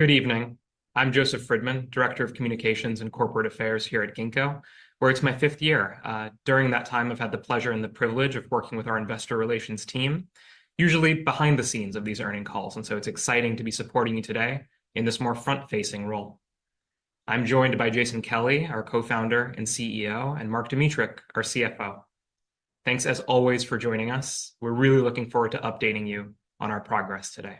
Good evening. I'm Joseph Friedman, Director of Communications and Corporate Affairs here at Ginkgo, where it's my fifth year. During that time, I've had the pleasure and the privilege of working with our investor relations team, usually behind the scenes of these earnings calls. And so it's exciting to be supporting you today in this more front-facing role. I'm joined by Jason Kelly, our co-founder and CEO, and Mark Dmytruk, our CFO. Thanks, as always, for joining us. We're really looking forward to updating you on our progress today.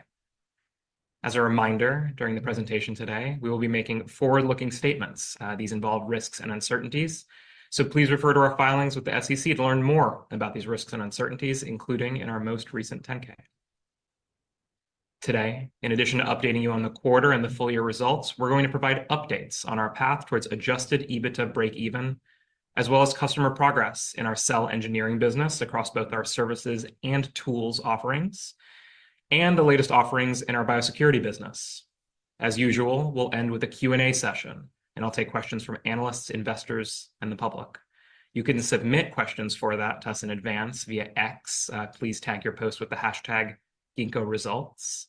As a reminder, during the presentation today, we will be making forward-looking statements. These involve risks and uncertainties. So please refer to our filings with the SEC to learn more about these risks and uncertainties, including in our most recent 10-K. Today, in addition to updating you on the quarter and the full-year results, we're going to provide updates on our path towards adjusted EBITDA break-even, as well as customer progress in our Cell Engineering business across both our services and tools offerings, and the latest offerings in our Biosecurity business. As usual, we'll end with a Q&A session, and I'll take questions from analysts, investors, and the public. You can submit questions for that to us in advance via X. Please tag your post with the hashtag #GinkgoResults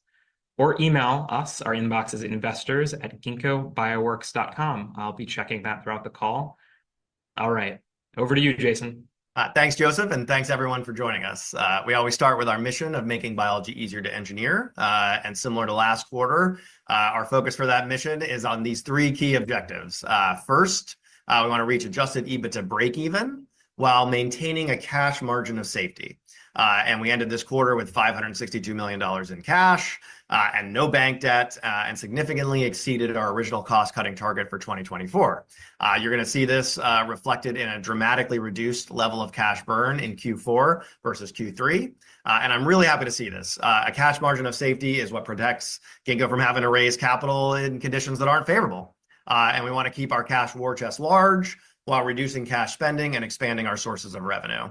or email us. Our inbox is investors@ginkgobioworks.com. I'll be checking that throughout the call. All right, over to you, Jason. Thanks, Joseph, and thanks, everyone, for joining us. We always start with our mission of making biology easier to engineer. And similar to last quarter, our focus for that mission is on these three key objectives. First, we want to reach adjusted EBITDA break-even while maintaining a cash margin of safety. And we ended this quarter with $562 million in cash and no bank debt and significantly exceeded our original cost-cutting target for 2024. You're going to see this reflected in a dramatically reduced level of cash burn in Q4 versus Q3. And I'm really happy to see this. A cash margin of safety is what protects Ginkgo from having to raise capital in conditions that aren't favorable. And we want to keep our cash war chest large while reducing cash spending and expanding our sources of revenue.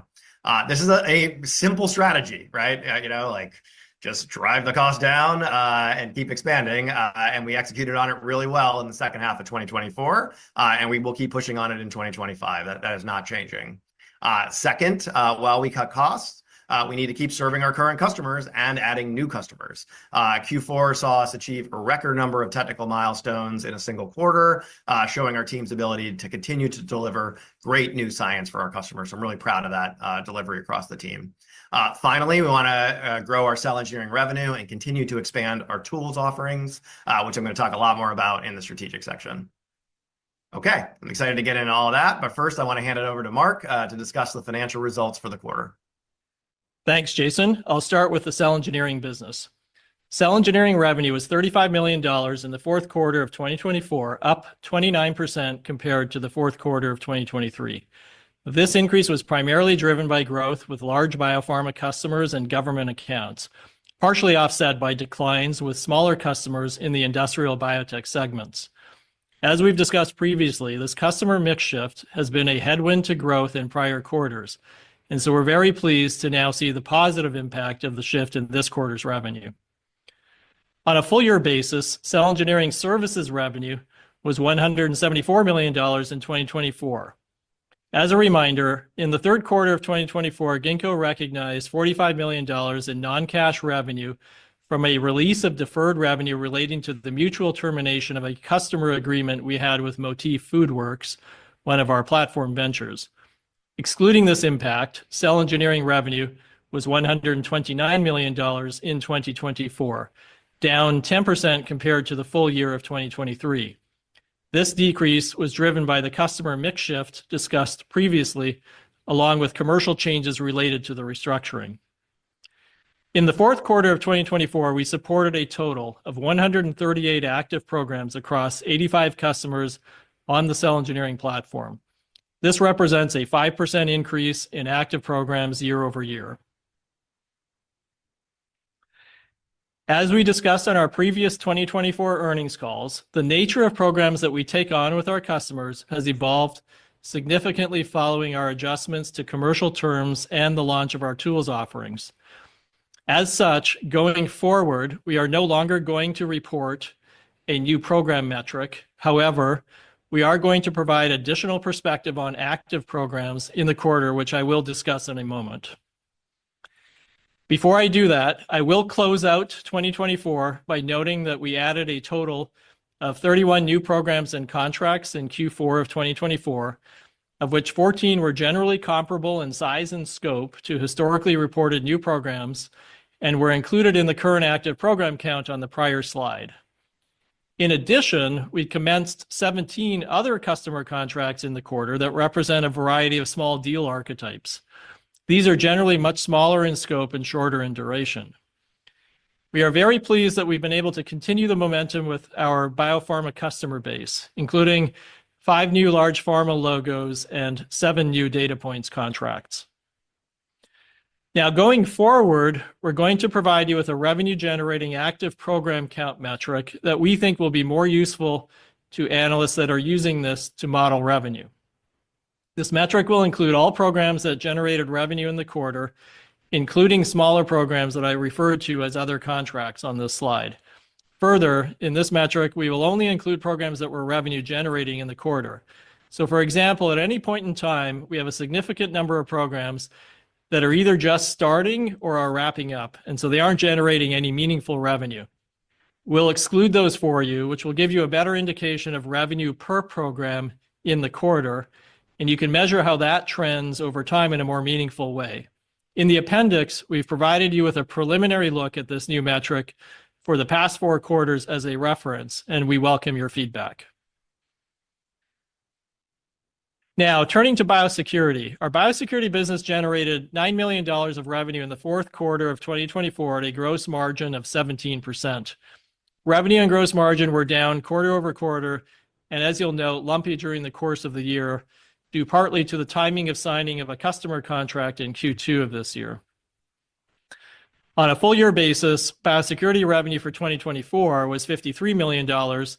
This is a simple strategy, right? You know, like, just drive the cost down and keep expanding. And we executed on it really well in the second half of 2024. And we will keep pushing on it in 2025. That is not changing. Second, while we cut costs, we need to keep serving our current customers and adding new customers. Q4 saw us achieve a record number of technical milestones in a single quarter, showing our team's ability to continue to deliver great new science for our customers. I'm really proud of that delivery across the team. Finally, we want to grow our Cell Engineering revenue and continue to expand our tools offerings, which I'm going to talk a lot more about in the strategic section. Okay, I'm excited to get into all of that. But first, I want to hand it over to Mark to discuss the financial results for the quarter. Thanks, Jason. I'll start with the Cell Engineering business. Cell Engineering revenue was $35 million in the Q4 of 2024, up 29% compared to the Q4 of 2023. This increase was primarily driven by growth with large biopharma customers and government accounts, partially offset by declines with smaller customers in the industrial biotech segments. As we've discussed previously, this customer mix shift has been a headwind to growth in prior quarters. And so we're very pleased to now see the positive impact of the shift in this quarter's revenue. On a full-year basis, Cell Engineering services revenue was $174 million in 2024. As a reminder, in the Q3 of 2024, Ginkgo recognized $45 million in non-cash revenue from a release of deferred revenue relating to the mutual termination of a customer agreement we had with Motif FoodWorks, one of our platform ventures. Excluding this impact, Cell Engineering revenue was $129 million in 2024, down 10% compared to the full year of 2023. This decrease was driven by the customer mix shift discussed previously, along with commercial changes related to the restructuring. In the Q4 of 2024, we supported a total of 138 active programs across 85 customers on the Cell Engineering platform. This represents a 5% increase in active programs year-over-year. As we discussed on our previous 2024 earnings calls, the nature of programs that we take on with our customers has evolved significantly following our adjustments to commercial terms and the launch of our tools offerings. As such, going forward, we are no longer going to report a new program metric. However, we are going to provide additional perspective on active programs in the quarter, which I will discuss in a moment. Before I do that, I will close out 2024 by noting that we added a total of 31 new programs and contracts in Q4 of 2024, of which 14 were generally comparable in size and scope to historically reported new programs and were included in the current active program count on the prior slide. In addition, we commenced 17 other customer contracts in the quarter that represent a variety of small deal archetypes. These are generally much smaller in scope and shorter in duration. We are very pleased that we've been able to continue the momentum with our biopharma customer base, including five new large pharma logos and seven new Datapoints contracts. Now, going forward, we're going to provide you with a revenue-generating active program count metric that we think will be more useful to analysts that are using this to model revenue. This metric will include all programs that generated revenue in the quarter, including smaller programs that I refer to as other contracts on this slide. Further, in this metric, we will only include programs that were revenue-generating in the quarter. So, for example, at any point in time, we have a significant number of programs that are either just starting or are wrapping up, and so they aren't generating any meaningful revenue. We'll exclude those for you, which will give you a better indication of revenue per program in the quarter, and you can measure how that trends over time in a more meaningful way. In the appendix, we've provided you with a preliminary look at this new metric for the past four quarters as a reference, and we welcome your feedback. Now, turning to Biosecurity, our Biosecurity business generated $9 million of revenue in the Q4 of 2024 at a gross margin of 17%. Revenue and gross margin were down quarter-over-quarter, and as you'll note, lumpy during the course of the year due partly to the timing of signing of a customer contract in Q2 of this year. On a full-year basis, Biosecurity revenue for 2024 was $53 million, down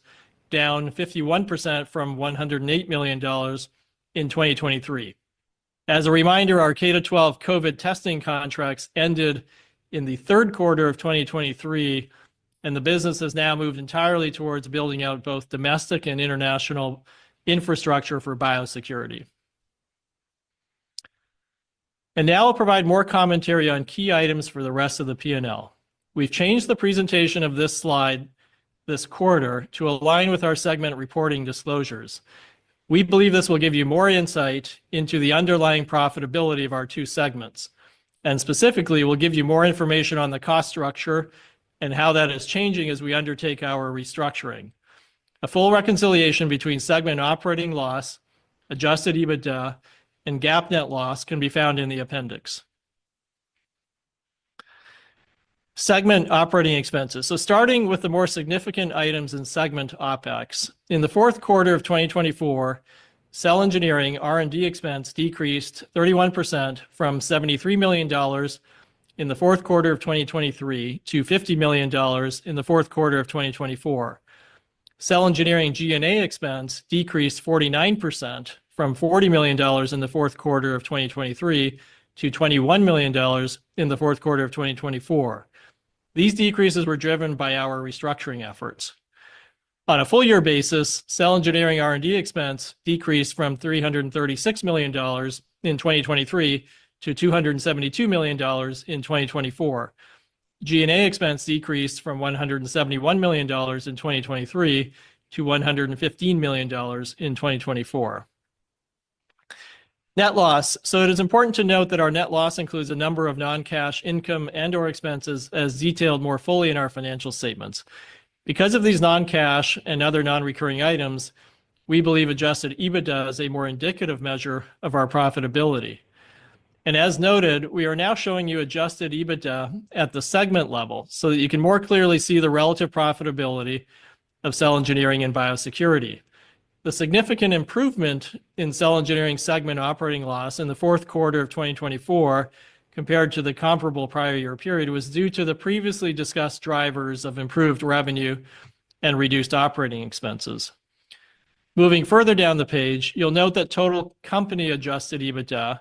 51% from $108 million in 2023. As a reminder, our K-12 COVID testing contracts ended in the Q3 of 2023, and the business has now moved entirely towards building out both domestic and international infrastructure for Biosecurity. And now I'll provide more commentary on key items for the rest of the P&L. We've changed the presentation of this slide this quarter to align with our segment reporting disclosures. We believe this will give you more insight into the underlying profitability of our two segments. And specifically, we'll give you more information on the cost structure and how that is changing as we undertake our restructuring. A full reconciliation between segment operating loss, adjusted EBITDA, and GAAP net loss can be found in the appendix. Segment operating expenses. So starting with the more significant items in segment OpEx, in the Q4 of 2024, Cell Engineering R&D expense decreased 31% from $73 million in the Q4 of 2023 to $50 million in the Q4 of 2024. Cell Engineering G&A expense decreased 49% from $40 million in the Q4 of 2023 to $21 million in the Q4 of 2024. These decreases were driven by our restructuring efforts. On a full-year basis, Cell Engineering R&D expense decreased from $336 million in 2023 to $272 million in 2024. G&A expense decreased from $171 million in 2023 to $115 million in 2024. Net loss. It is important to note that our net loss includes a number of non-cash income and/or expenses as detailed more fully in our financial statements. Because of these non-cash and other non-recurring items, we believe adjusted EBITDA is a more indicative measure of our profitability. As noted, we are now showing you adjusted EBITDA at the segment level so that you can more clearly see the relative profitability of Cell Engineering and Biosecurity. The significant improvement in Cell Engineering segment operating loss in the Q4 of 2024 compared to the comparable prior year period was due to the previously discussed drivers of improved revenue and reduced operating expenses. Moving further down the page, you'll note that total company adjusted EBITDA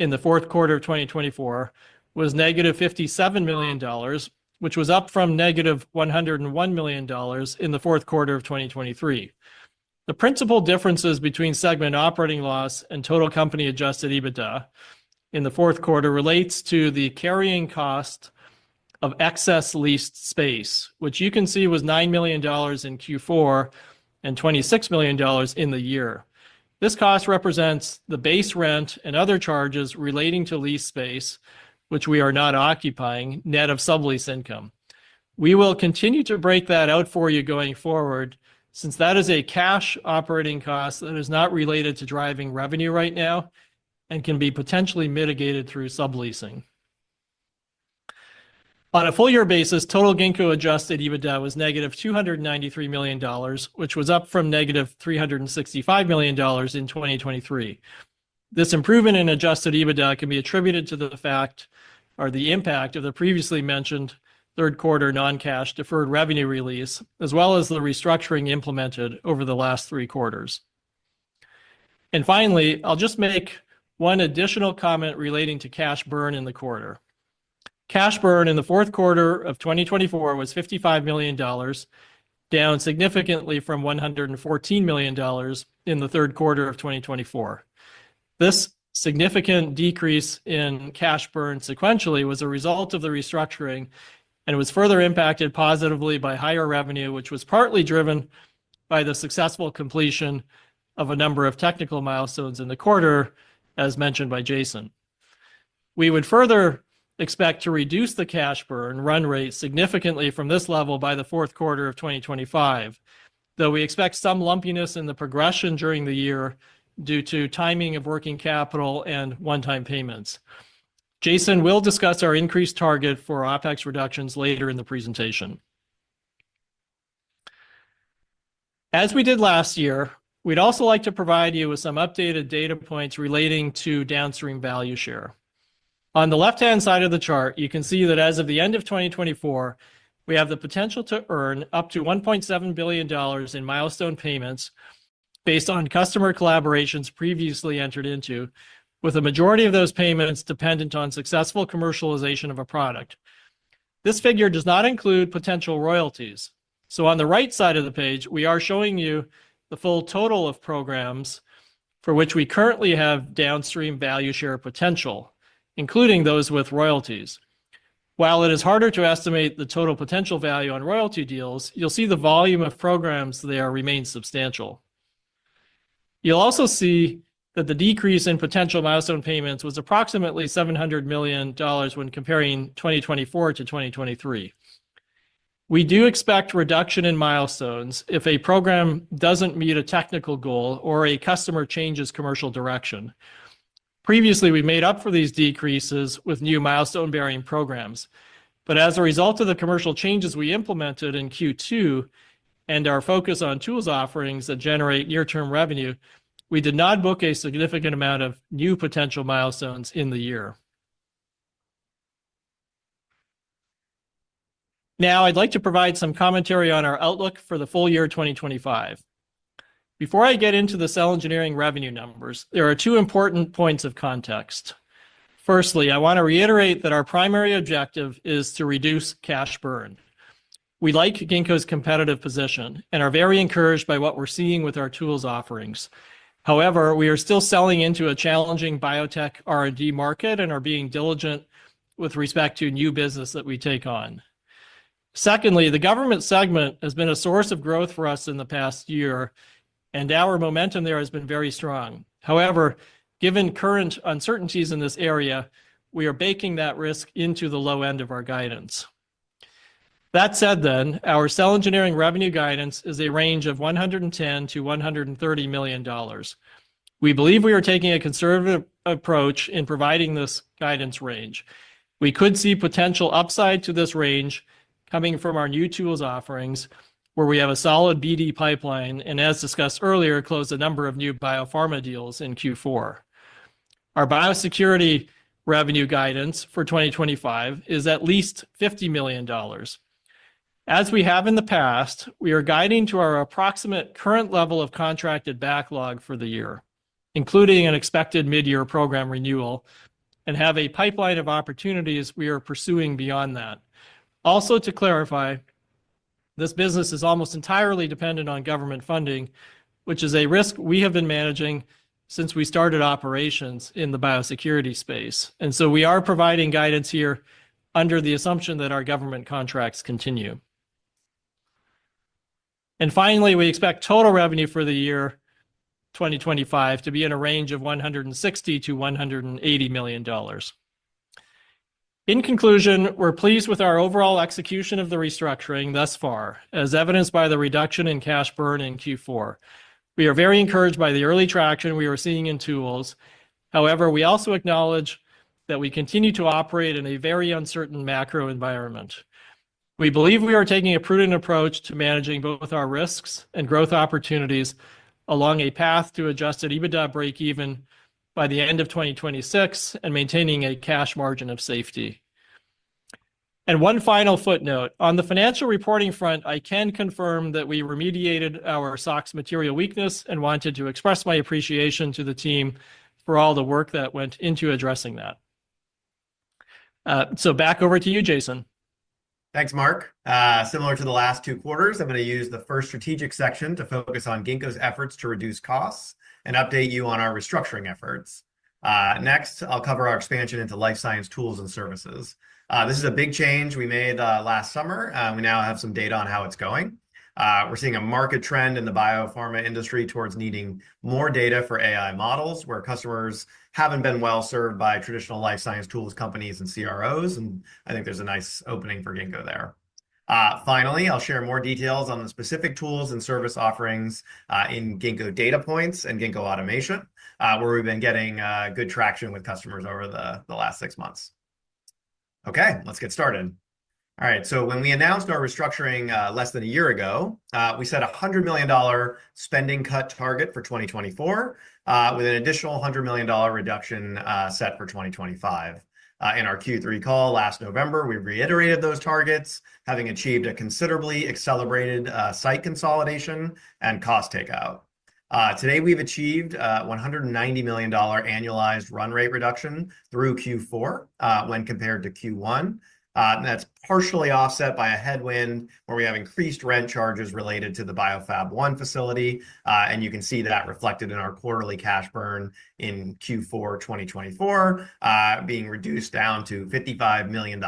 in the Q4 of 2024 was negative $57 million, which was up from negative $101 million in the Q4 of 2023. The principal differences between segment operating loss and total company adjusted EBITDA in the Q4 relate to the carrying cost of excess lease space, which you can see was $9 million in Q4 and $26 million in the year. This cost represents the base rent and other charges relating to lease space, which we are not occupying, net of sublease income. We will continue to break that out for you going forward since that is a cash operating cost that is not related to driving revenue right now and can be potentially mitigated through subleasing. On a full-year basis, total Ginkgo adjusted EBITDA was negative $293 million, which was up from negative $365 million in 2023. This improvement in adjusted EBITDA can be attributed to the fact or the impact of the previously mentioned Q3 non-cash deferred revenue release, as well as the restructuring implemented over the last three quarters. And finally, I'll just make one additional comment relating to cash burn in the quarter. Cash burn in the Q4 of 2024 was $55 million, down significantly from $114 million in the Q3 of 2024. This significant decrease in cash burn sequentially was a result of the restructuring and was further impacted positively by higher revenue, which was partly driven by the successful completion of a number of technical milestones in the quarter, as mentioned by Jason. We would further expect to reduce the cash burn run rate significantly from this level by the Q4 of 2025, though we expect some lumpiness in the progression during the year due to timing of working capital and one-time payments. Jason will discuss our increased target for OpEx reductions later in the presentation. As we did last year, we'd also like to provide you with some updated Datapoints relating to downstream value share. On the left-hand side of the chart, you can see that as of the end of 2024, we have the potential to earn up to $1.7 billion in milestone payments based on customer collaborations previously entered into, with a majority of those payments dependent on successful commercialization of a product. This figure does not include potential royalties. On the right side of the page, we are showing you the full total of programs for which we currently have downstream value share potential, including those with royalties. While it is harder to estimate the total potential value on royalty deals, you'll see the volume of programs there remain substantial. You'll also see that the decrease in potential milestone payments was approximately $700 million when comparing 2024 to 2023. We do expect reduction in milestones if a program doesn't meet a technical goal or a customer changes commercial direction. Previously, we made up for these decreases with new milestone-bearing programs. But as a result of the commercial changes we implemented in Q2 and our focus on tools offerings that generate near-term revenue, we did not book a significant amount of new potential milestones in the year. Now, I'd like to provide some commentary on our outlook for the full year 2025. Before I get into the Cell Engineering revenue numbers, there are two important points of context. Firstly, I want to reiterate that our primary objective is to reduce cash burn. We like Ginkgo's competitive position and are very encouraged by what we're seeing with our tools offerings. However, we are still selling into a challenging biotech R&D market and are being diligent with respect to new business that we take on. Secondly, the government segment has been a source of growth for us in the past year, and our momentum there has been very strong. However, given current uncertainties in this area, we are baking that risk into the low end of our guidance. That said, then, our Cell Engineering revenue guidance is a range of $110 million-$130 million. We believe we are taking a conservative approach in providing this guidance range. We could see potential upside to this range coming from our new tools offerings, where we have a solid BD pipeline and, as discussed earlier, closed a number of new biopharma deals in Q4. Our Biosecurity revenue guidance for 2025 is at least $50 million. As we have in the past, we are guiding to our approximate current level of contracted backlog for the year, including an expected mid-year program renewal, and have a pipeline of opportunities we are pursuing beyond that. Also, to clarify, this business is almost entirely dependent on government funding, which is a risk we have been managing since we started operations in the Biosecurity space. And so we are providing guidance here under the assumption that our government contracts continue. Finally, we expect total revenue for the year 2025 to be in a range of $160million-$180 million. In conclusion, we're pleased with our overall execution of the restructuring thus far, as evidenced by the reduction in cash burn in Q4. We are very encouraged by the early traction we were seeing in tools. However, we also acknowledge that we continue to operate in a very uncertain macro environment. We believe we are taking a prudent approach to managing both our risks and growth opportunities along a path to adjusted EBITDA break-even by the end of 2026 and maintaining a cash margin of safety. One final footnote. On the financial reporting front, I can confirm that we remediated our SOX material weakness and wanted to express my appreciation to the team for all the work that went into addressing that. Back over to you, Jason. Thanks, Mark. Similar to the last two quarters, I'm going to use the first strategic section to focus on Ginkgo's efforts to reduce costs and update you on our restructuring efforts. Next, I'll cover our expansion into life science tools and services. This is a big change we made last summer, and we now have some data on how it's going. We're seeing a market trend in the biopharma industry towards needing more data for AI models, where customers haven't been well served by traditional life science tools companies and CROs, and I think there's a nice opening for Ginkgo there. Finally, I'll share more details on the specific tools and service offerings in Ginkgo Datapoints and Ginkgo Automation, where we've been getting good traction with customers over the last six months. Okay, let's get started. All right, so when we announced our restructuring less than a year ago, we set a $100 million spending cut target for 2024 with an additional $100 million reduction set for 2025. In our Q3 call last November, we reiterated those targets, having achieved a considerably accelerated site consolidation and cost takeout. Today, we've achieved a $190 million annualized run rate reduction through Q4 when compared to Q1. That's partially offset by a headwind where we have increased rent charges related to the BioFab1 facility, and you can see that reflected in our quarterly cash burn in Q4 2024 being reduced down to $55 million.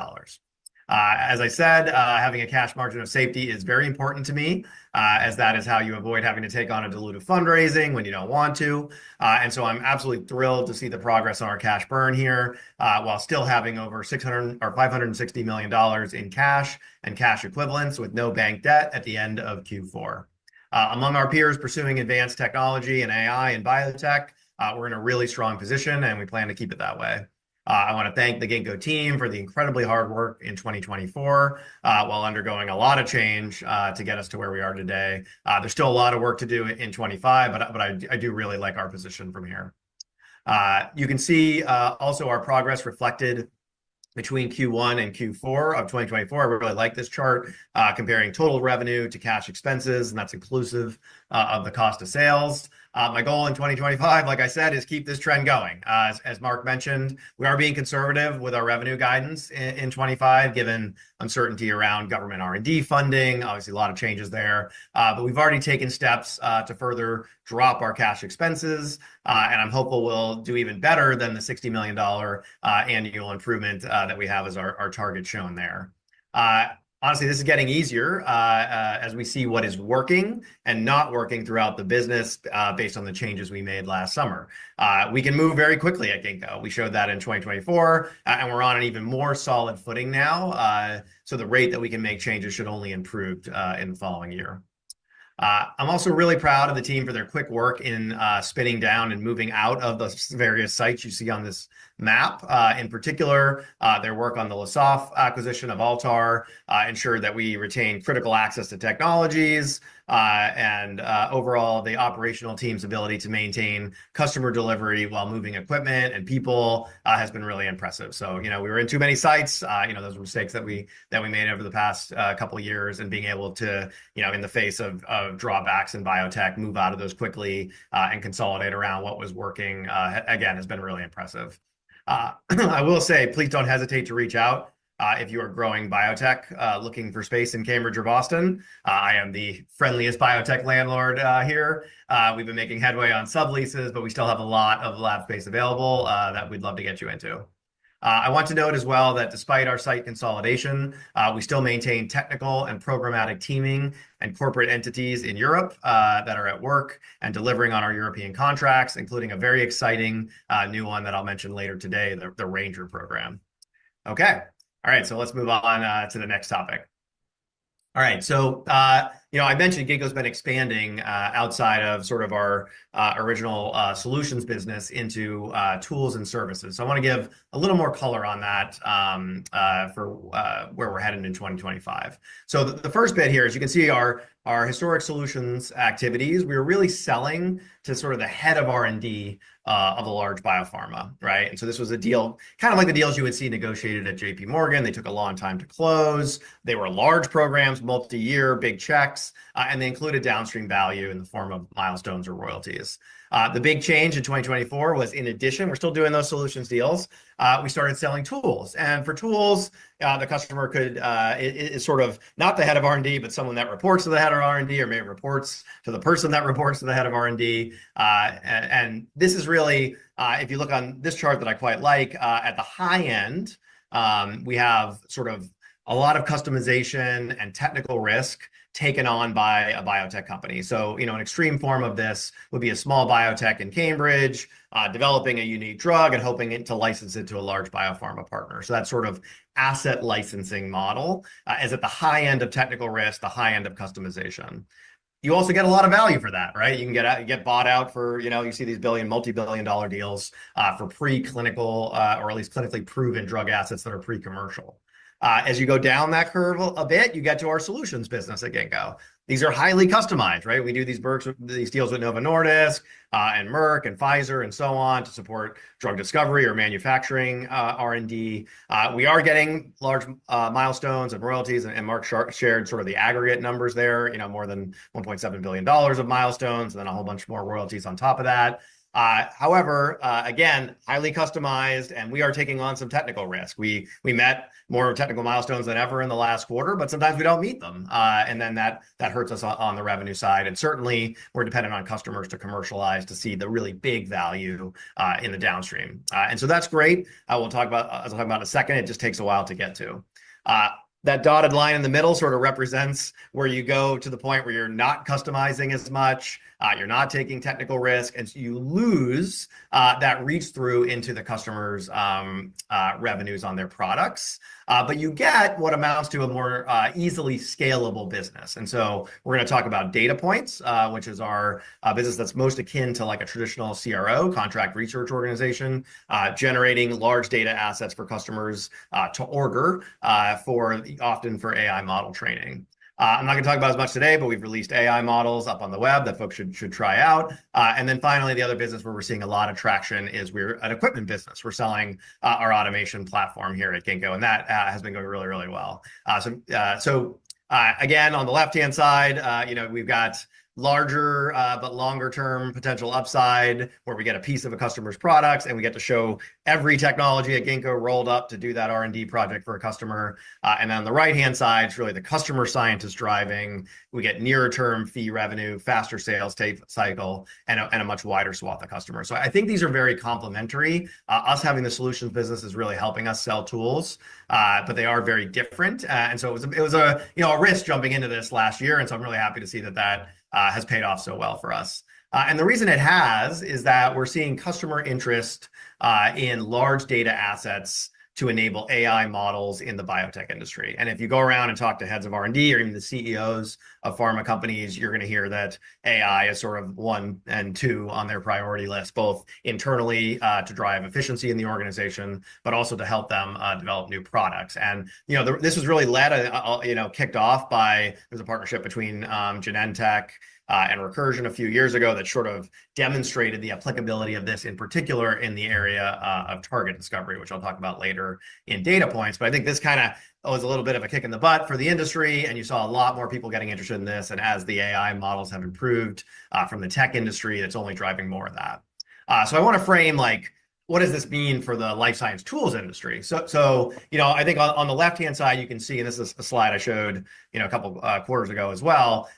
As I said, having a cash margin of safety is very important to me, as that is how you avoid having to take on a diluted fundraising when you don't want to. And so I'm absolutely thrilled to see the progress on our cash burn here while still having over $560 million in cash and cash equivalents with no bank debt at the end of Q4. Among our peers pursuing advanced technology and AI and biotech, we're in a really strong position, and we plan to keep it that way. I want to thank the Ginkgo team for the incredibly hard work in 2024 while undergoing a lot of change to get us to where we are today. There's still a lot of work to do in 2025, but I do really like our position from here. You can see also our progress reflected between Q1 and Q4 of 2024. I really like this chart comparing total revenue to cash expenses, and that's inclusive of the cost of sales. My goal in 2025, like I said, is to keep this trend going. As Mark mentioned, we are being conservative with our revenue guidance in 2025, given uncertainty around government R&D funding, obviously a lot of changes there. But we've already taken steps to further drop our cash expenses, and I'm hopeful we'll do even better than the $60 million annual improvement that we have as our target shown there. Honestly, this is getting easier as we see what is working and not working throughout the business based on the changes we made last summer. We can move very quickly, I think, though. We showed that in 2024, and we're on an even more solid footing now, so the rate that we can make changes should only improve in the following year. I'm also really proud of the team for their quick work in spinning down and moving out of the various sites you see on this map. In particular, their work on the Lesaffre acquisition of Altar ensured that we retained critical access to technologies, and overall, the operational team's ability to maintain customer delivery while moving equipment and people has been really impressive. So, you know, we were in too many sites. You know, those are mistakes that we made over the past couple of years, and being able to, you know, in the face of drawbacks in biotech, move out of those quickly and consolidate around what was working, again, has been really impressive. I will say, please don't hesitate to reach out if you are growing biotech looking for space in Cambridge or Boston. I am the friendliest biotech landlord here. We've been making headway on subleases, but we still have a lot of lab space available that we'd love to get you into. I want to note as well that despite our site consolidation, we still maintain technical and programmatic teaming and corporate entities in Europe that are at work and delivering on our European contracts, including a very exciting new one that I'll mention later today, the RANGER program. Okay, all right, so let's move on to the next topic. All right, so, you know, I mentioned Ginkgo's been expanding outside of sort of our original solutions business into tools and services, so I want to give a little more color on that for where we're headed in 2025, so the first bit here, as you can see, are our historic solutions activities. We were really selling to sort of the head of R&D of a large biopharma, right? And so this was a deal kind of like the deals you would see negotiated at JPMorgan. They took a long time to close. They were large programs, multi-year, big checks, and they included downstream value in the form of milestones or royalties. The big change in 2024 was, in addition, we're still doing those solutions deals. We started selling tools, and for tools the customer could, it's sort of not the head of R&D, but someone that reports to the head of R&D or maybe reports to the person that reports to the head of R&D, and this is really, if you look on this chart that I quite like, at the high end, we have sort of a lot of customization and technical risk taken on by a biotech company. So, you know, an extreme form of this would be a small biotech in Cambridge developing a unique drug and hoping to license it to a large biopharma partner. So that sort of asset licensing model is at the high end of technical risk, the high end of customization. You also get a lot of value for that, right? You can get bought out for, you know, you see these billion- and multi-billion-dollar deals for preclinical or at least clinically proven drug assets that are pre-commercial. As you go down that curve a bit, you get to our solutions business at Ginkgo. These are highly customized, right? We do these deals with Novo Nordisk, and Merck, and Pfizer and so on to support drug discovery or manufacturing R&D. We are getting large milestones and royalties, and Mark shared sort of the aggregate numbers there, you know, more than $1.7 billion of milestones and then a whole bunch more royalties on top of that. However, again, highly customized, and we are taking on some technical risk. We met more technical milestones than ever in the last quarter, but sometimes we don't meet them, and then that hurts us on the revenue side, and certainly, we're dependent on customers to commercialize to see the really big value in the downstream, and so that's great. I will talk about, as I'll talk about in a second, it just takes a while to get to. That dotted line in the middle sort of represents where you go to the point where you're not customizing as much, you're not taking technical risk, and you lose that reach through into the customer's revenues on their products, but you get what amounts to a more easily scalable business. And so we're going to talk about Datapoints, which is our business that's most akin to like a traditional CRO, contract research organization, generating large data assets for customers to order, often for AI model training. I'm not going to talk about as much today, but we've released AI models up on the web that folks should try out. And then finally, the other business where we're seeing a lot of traction is we're an equipment business. We're selling our automation platform here at Ginkgo, and that has been going really, really well. So again, on the left-hand side, you know, we've got larger but longer-term potential upside where we get a piece of a customer's products and we get to show every technology at Ginkgo rolled up to do that R&D project for a customer. And then on the right-hand side, it's really the customer scientist driving. We get nearer-term fee revenue, faster sales cycle, and a much wider swath of customers. So I think these are very complementary. Us having the solutions business is really helping us sell tools, but they are very different. And so it was, you know, a risk jumping into this last year, and so I'm really happy to see that that has paid off so well for us. And the reason it has is that we're seeing customer interest in large data assets to enable AI models in the biotech industry. And if you go around and talk to heads of R&D or even the CEOs of pharma companies, you're going to hear that AI is sort of one and two on their priority list, both internally to drive efficiency in the organization, but also to help them develop new products. You know, this was really led, you know, kicked off by, it was a partnership between Genentech and Recursion a few years ago that sort of demonstrated the applicability of this in particular in the area of target discovery, which I'll talk about later in Datapoints. I think this kind of was a little bit of a kick in the butt for the industry, and you saw a lot more people getting interested in this. As the AI models have improved from the tech industry, that's only driving more of that. I want to frame like, what does this mean for the life science tools industry? You know, I think on the left-hand side, you can see, and this is a slide I showed, you know, a couple of quarters ago as well,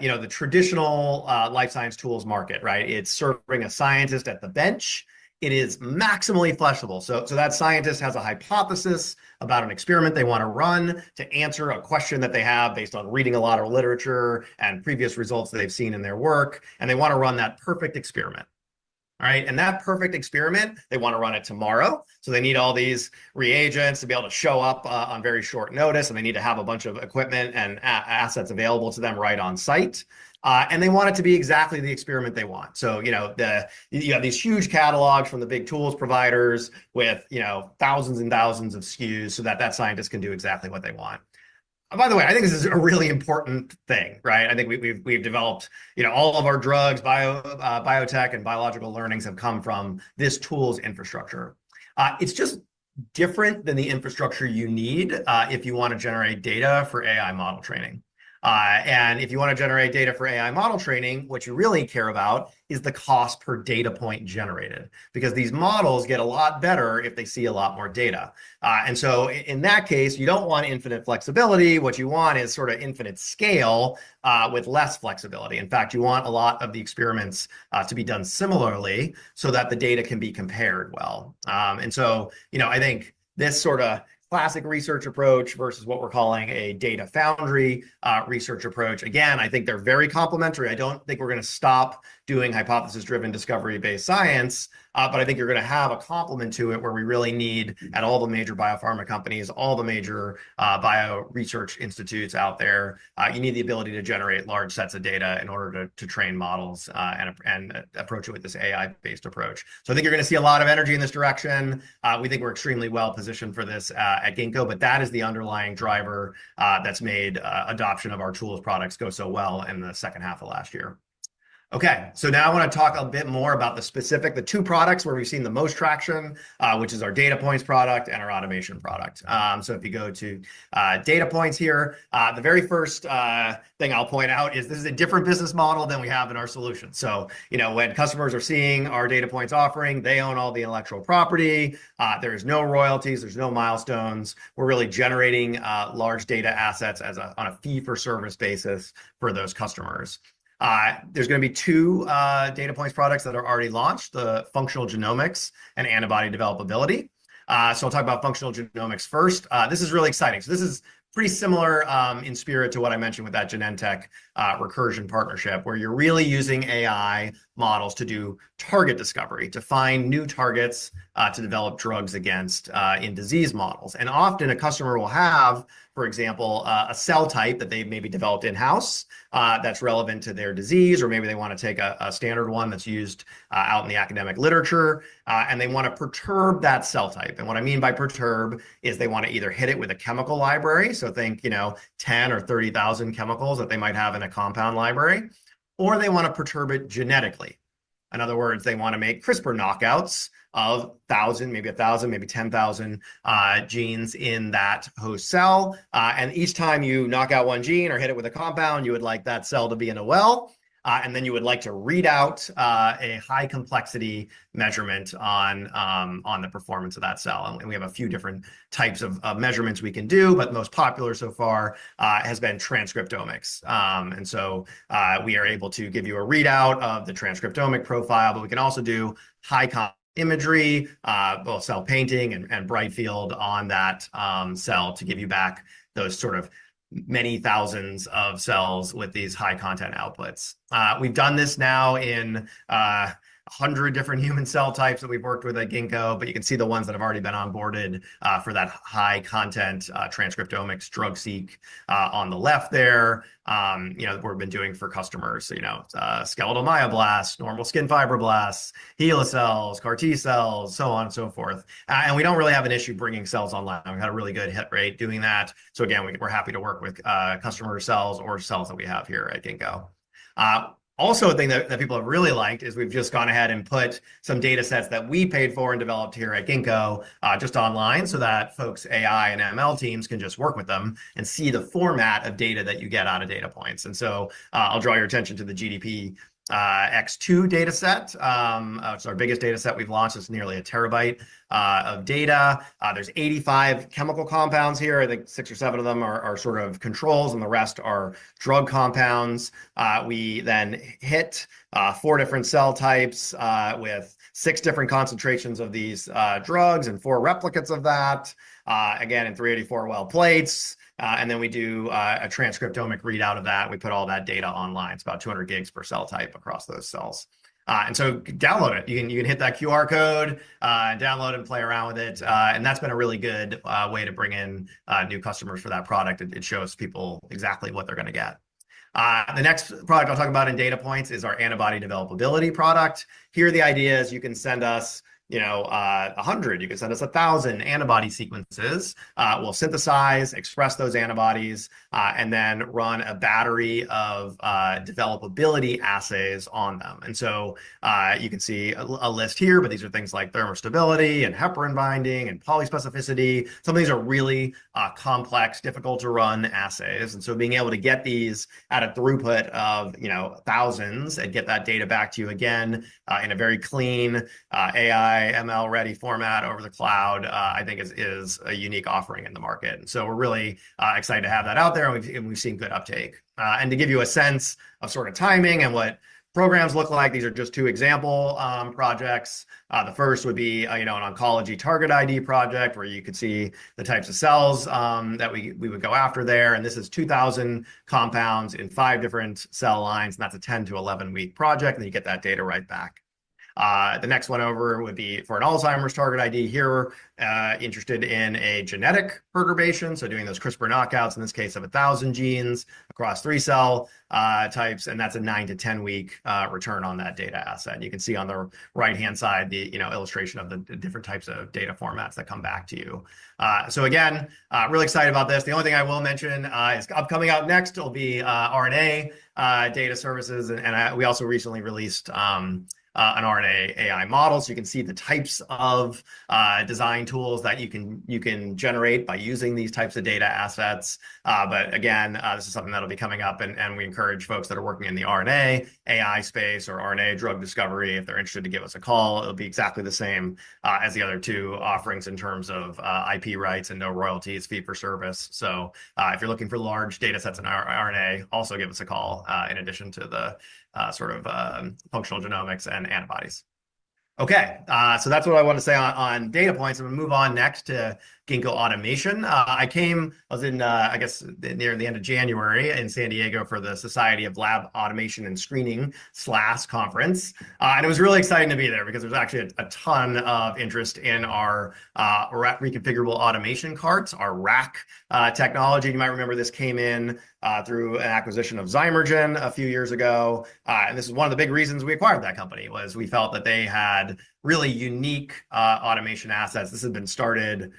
you know, the traditional life science tools market, right? It's serving a scientist at the bench. It is maximally flexible. So that scientist has a hypothesis about an experiment they want to run to answer a question that they have based on reading a lot of literature and previous results that they've seen in their work, and they want to run that perfect experiment, all right? And that perfect experiment, they want to run it tomorrow. So they need all these reagents to be able to show up on very short notice, and they need to have a bunch of equipment and assets available to them right on site. And they want it to be exactly the experiment they want. So, you know, you have these huge catalogs from the big tools providers with, you know, thousands and thousands of SKUs so that that scientist can do exactly what they want. By the way, I think this is a really important thing, right? I think we've developed, you know, all of our drugs, biotech, and biological learnings have come from this tools infrastructure. It's just different than the infrastructure you need if you want to generate data for AI model training. And if you want to generate data for AI model training, what you really care about is the cost per data point generated, because these models get a lot better if they see a lot more data. And so in that case, you don't want infinite flexibility. What you want is sort of infinite scale with less flexibility. In fact, you want a lot of the experiments to be done similarly so that the data can be compared well. And so, you know, I think this sort of classic research approach versus what we're calling a data Foundry research approach, again, I think they're very complementary. I don't think we're going to stop doing hypothesis-driven, discovery-based science, but I think you're going to have a complement to it where we really need, at all the major biopharma companies, all the major bio research institutes out there, you need the ability to generate large sets of data in order to train models and approach it with this AI-based approach. So I think you're going to see a lot of energy in this direction. We think we're extremely well positioned for this at Ginkgo, but that is the underlying driver that's made adoption of our tools products go so well in the second half of last year. Okay, so now I want to talk a bit more about the specific, the two products where we've seen the most traction, which is our Datapoints product and our automation product. So if you go to Datapoints here, the very first thing I'll point out is this is a different business model than we have in our solution. So, you know, when customers are seeing our Datapoints offering, they own all the intellectual property. There's no royalties. There's no milestones. We're really generating large data assets on a fee-for-service basis for those customers. There's going to be two Datapoints products that are already launched, the functional genomics and antibody developability. So I'll talk about functional genomics first. This is really exciting. This is pretty similar in spirit to what I mentioned with that Genentech, Recursion partnership, where you're really using AI models to do target discovery, to find new targets to develop drugs against in disease models. And often a customer will have, for example, a cell type that they've maybe developed in-house that's relevant to their disease, or maybe they want to take a standard one that's used out in the academic literature, and they want to perturb that cell type. And what I mean by perturb is they want to either hit it with a chemical library, so think, you know, 10 or 30,000 chemicals that they might have in a compound library, or they want to perturb it genetically. In other words, they want to make CRISPR knockouts of 1,000, maybe 1,000, maybe 10,000 genes in that host cell. And each time you knock out one gene or hit it with a compound, you would like that cell to be in a well, and then you would like to read out a high-complexity measurement on the performance of that cell. And we have a few different types of measurements we can do, but most popular so far has been transcriptomics. And so we are able to give you a readout of the transcriptomic profile, but we can also do high-content imagery, both cell painting and bright field on that cell to give you back those sort of many thousands of cells with these high-content outputs. We've done this now in 100 different human cell types that we've worked with at Ginkgo, but you can see the ones that have already been onboarded for that high-content transcriptomics drug screen on the left there. You know, we've been doing for customers, you know, skeletal myoblasts, normal skin fibroblasts, HeLa cells, CAR T-cells, so on and so forth. And we don't really have an issue bringing cells online. We've had a really good hit rate doing that. So again, we're happy to work with customer cells or cells that we have here at Ginkgo. Also, a thing that people have really liked is we've just gone ahead and put some data sets that we paid for and developed here at Ginkgo just online so that folks, AI and ML teams can just work with them and see the format of data that you get out of Datapoints. And so I'll draw your attention to the GDPx2 data set. It's our biggest data set we've launched. It's nearly a terabyte of data. There's 85 chemical compounds here. I think six or seven of them are sort of controls, and the rest are drug compounds. We then hit four different cell types with six different concentrations of these drugs and four replicates of that, again, in 384-well plates. We do a transcriptomic readout of that. We put all that data online. It's about 200 GB per cell type across those cells. So download it. You can hit that QR code and download and play around with it. That's been a really good way to bring in new customers for that product. It shows people exactly what they're going to get. The next product I'll talk about in Datapoints is our antibody developability product. Here, the idea is you can send us, you know, 100, you can send us 1,000 antibody sequences. We'll synthesize, express those antibodies, and then run a battery of developability assays on them. And so you can see a list here, but these are things like thermostability and heparin binding and polyspecificity. Some of these are really complex, difficult-to-run assays. And so being able to get these at a throughput of, you know, thousands and get that data back to you again in a very clean AI, ML-ready format over the cloud, I think is a unique offering in the market. And so we're really excited to have that out there, and we've seen good uptake. And to give you a sense of sort of timing and what programs look like, these are just two example projects. The first would be, you know, an oncology target ID project where you could see the types of cells that we would go after there. This is 2,000 compounds in five different cell lines, and that's a 10-11-week project, and then you get that data right back. The next one over would be for an Alzheimer's target ID here, interested in a genetic perturbation. So doing those CRISPR knockouts, in this case, of 1,000 genes across three cell types, and that's a 9-10-week return on that data asset. And you can see on the right-hand side, the, you know, illustration of the different types of data formats that come back to you. So again, really excited about this. The only thing I will mention is upcoming out next will be RNA data services, and we also recently released an RNA AI model. So you can see the types of design tools that you can generate by using these types of data assets. But again, this is something that'll be coming up, and we encourage folks that are working in the RNA AI space or RNA drug discovery, if they're interested to give us a call. It'll be exactly the same as the other two offerings in terms of IP rights and no royalties, fee-for-service. So if you're looking for large data sets in RNA, also give us a call in addition to the sort of functional genomics and antibodies. Okay, so that's what I wanted to say on Datapoints. I'm going to move on next to Ginkgo Automation. I was in, I guess, near the end of January in San Diego for the Society for Laboratory Automation and Screening SLAS conference, and it was really exciting to be there because there's actually a ton of interest in our reconfigurable automation carts, our RAC technology. You might remember this came in through an acquisition of Zymergen a few years ago, and this is one of the big reasons we acquired that company was we felt that they had really unique automation assets. This had been started,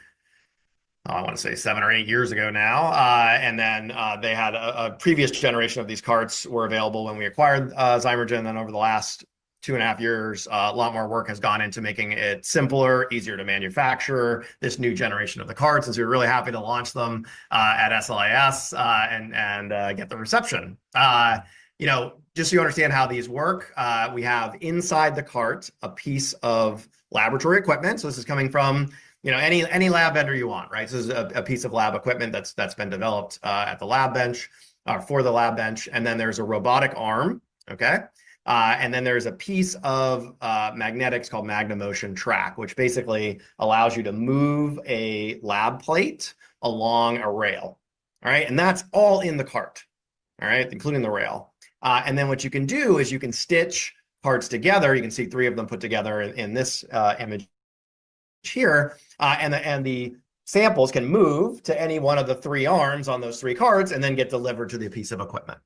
I want to say, seven or eight years ago now, and then they had a previous generation of these carts were available when we acquired Zymergen, and then over the last two and a half years, a lot more work has gone into making it simpler, easier to manufacture this new generation of the carts, and so we were really happy to launch them at SLAS and get the reception. You know, just so you understand how these work, we have inside the cart a piece of laboratory equipment, so this is coming from, you know, any lab vendor you want, right? So this is a piece of lab equipment that's been developed at the lab bench or for the lab bench. And then there's a robotic arm, okay? And then there's a piece of magnetics called MagneMotion track, which basically allows you to move a lab plate along a rail, all right? And that's all in the cart, all right? Including the rail. And then what you can do is you can stitch parts together. You can see three of them put together in this image here. And the samples can move to any one of the three arms on those three carts and then get delivered to the piece of equipment,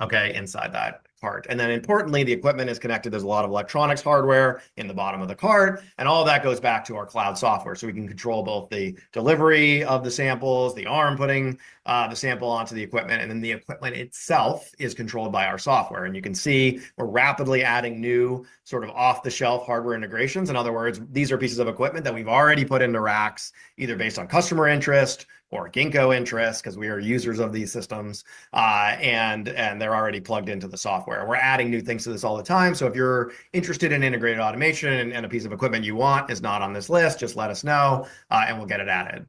okay, inside that cart. And then importantly, the equipment is connected. There's a lot of electronics hardware in the bottom of the cart, and all of that goes back to our cloud software. So we can control both the delivery of the samples, the arm putting the sample onto the equipment, and then the equipment itself is controlled by our software. And you can see we're rapidly adding new sort of off-the-shelf hardware integrations. In other words, these are pieces of equipment that we've already put into RACs, either based on customer interest or Ginkgo interest, because we are users of these systems, and they're already plugged into the software. We're adding new things to this all the time. So if you're interested in integrated automation and a piece of equipment you want is not on this list, just let us know, and we'll get it added.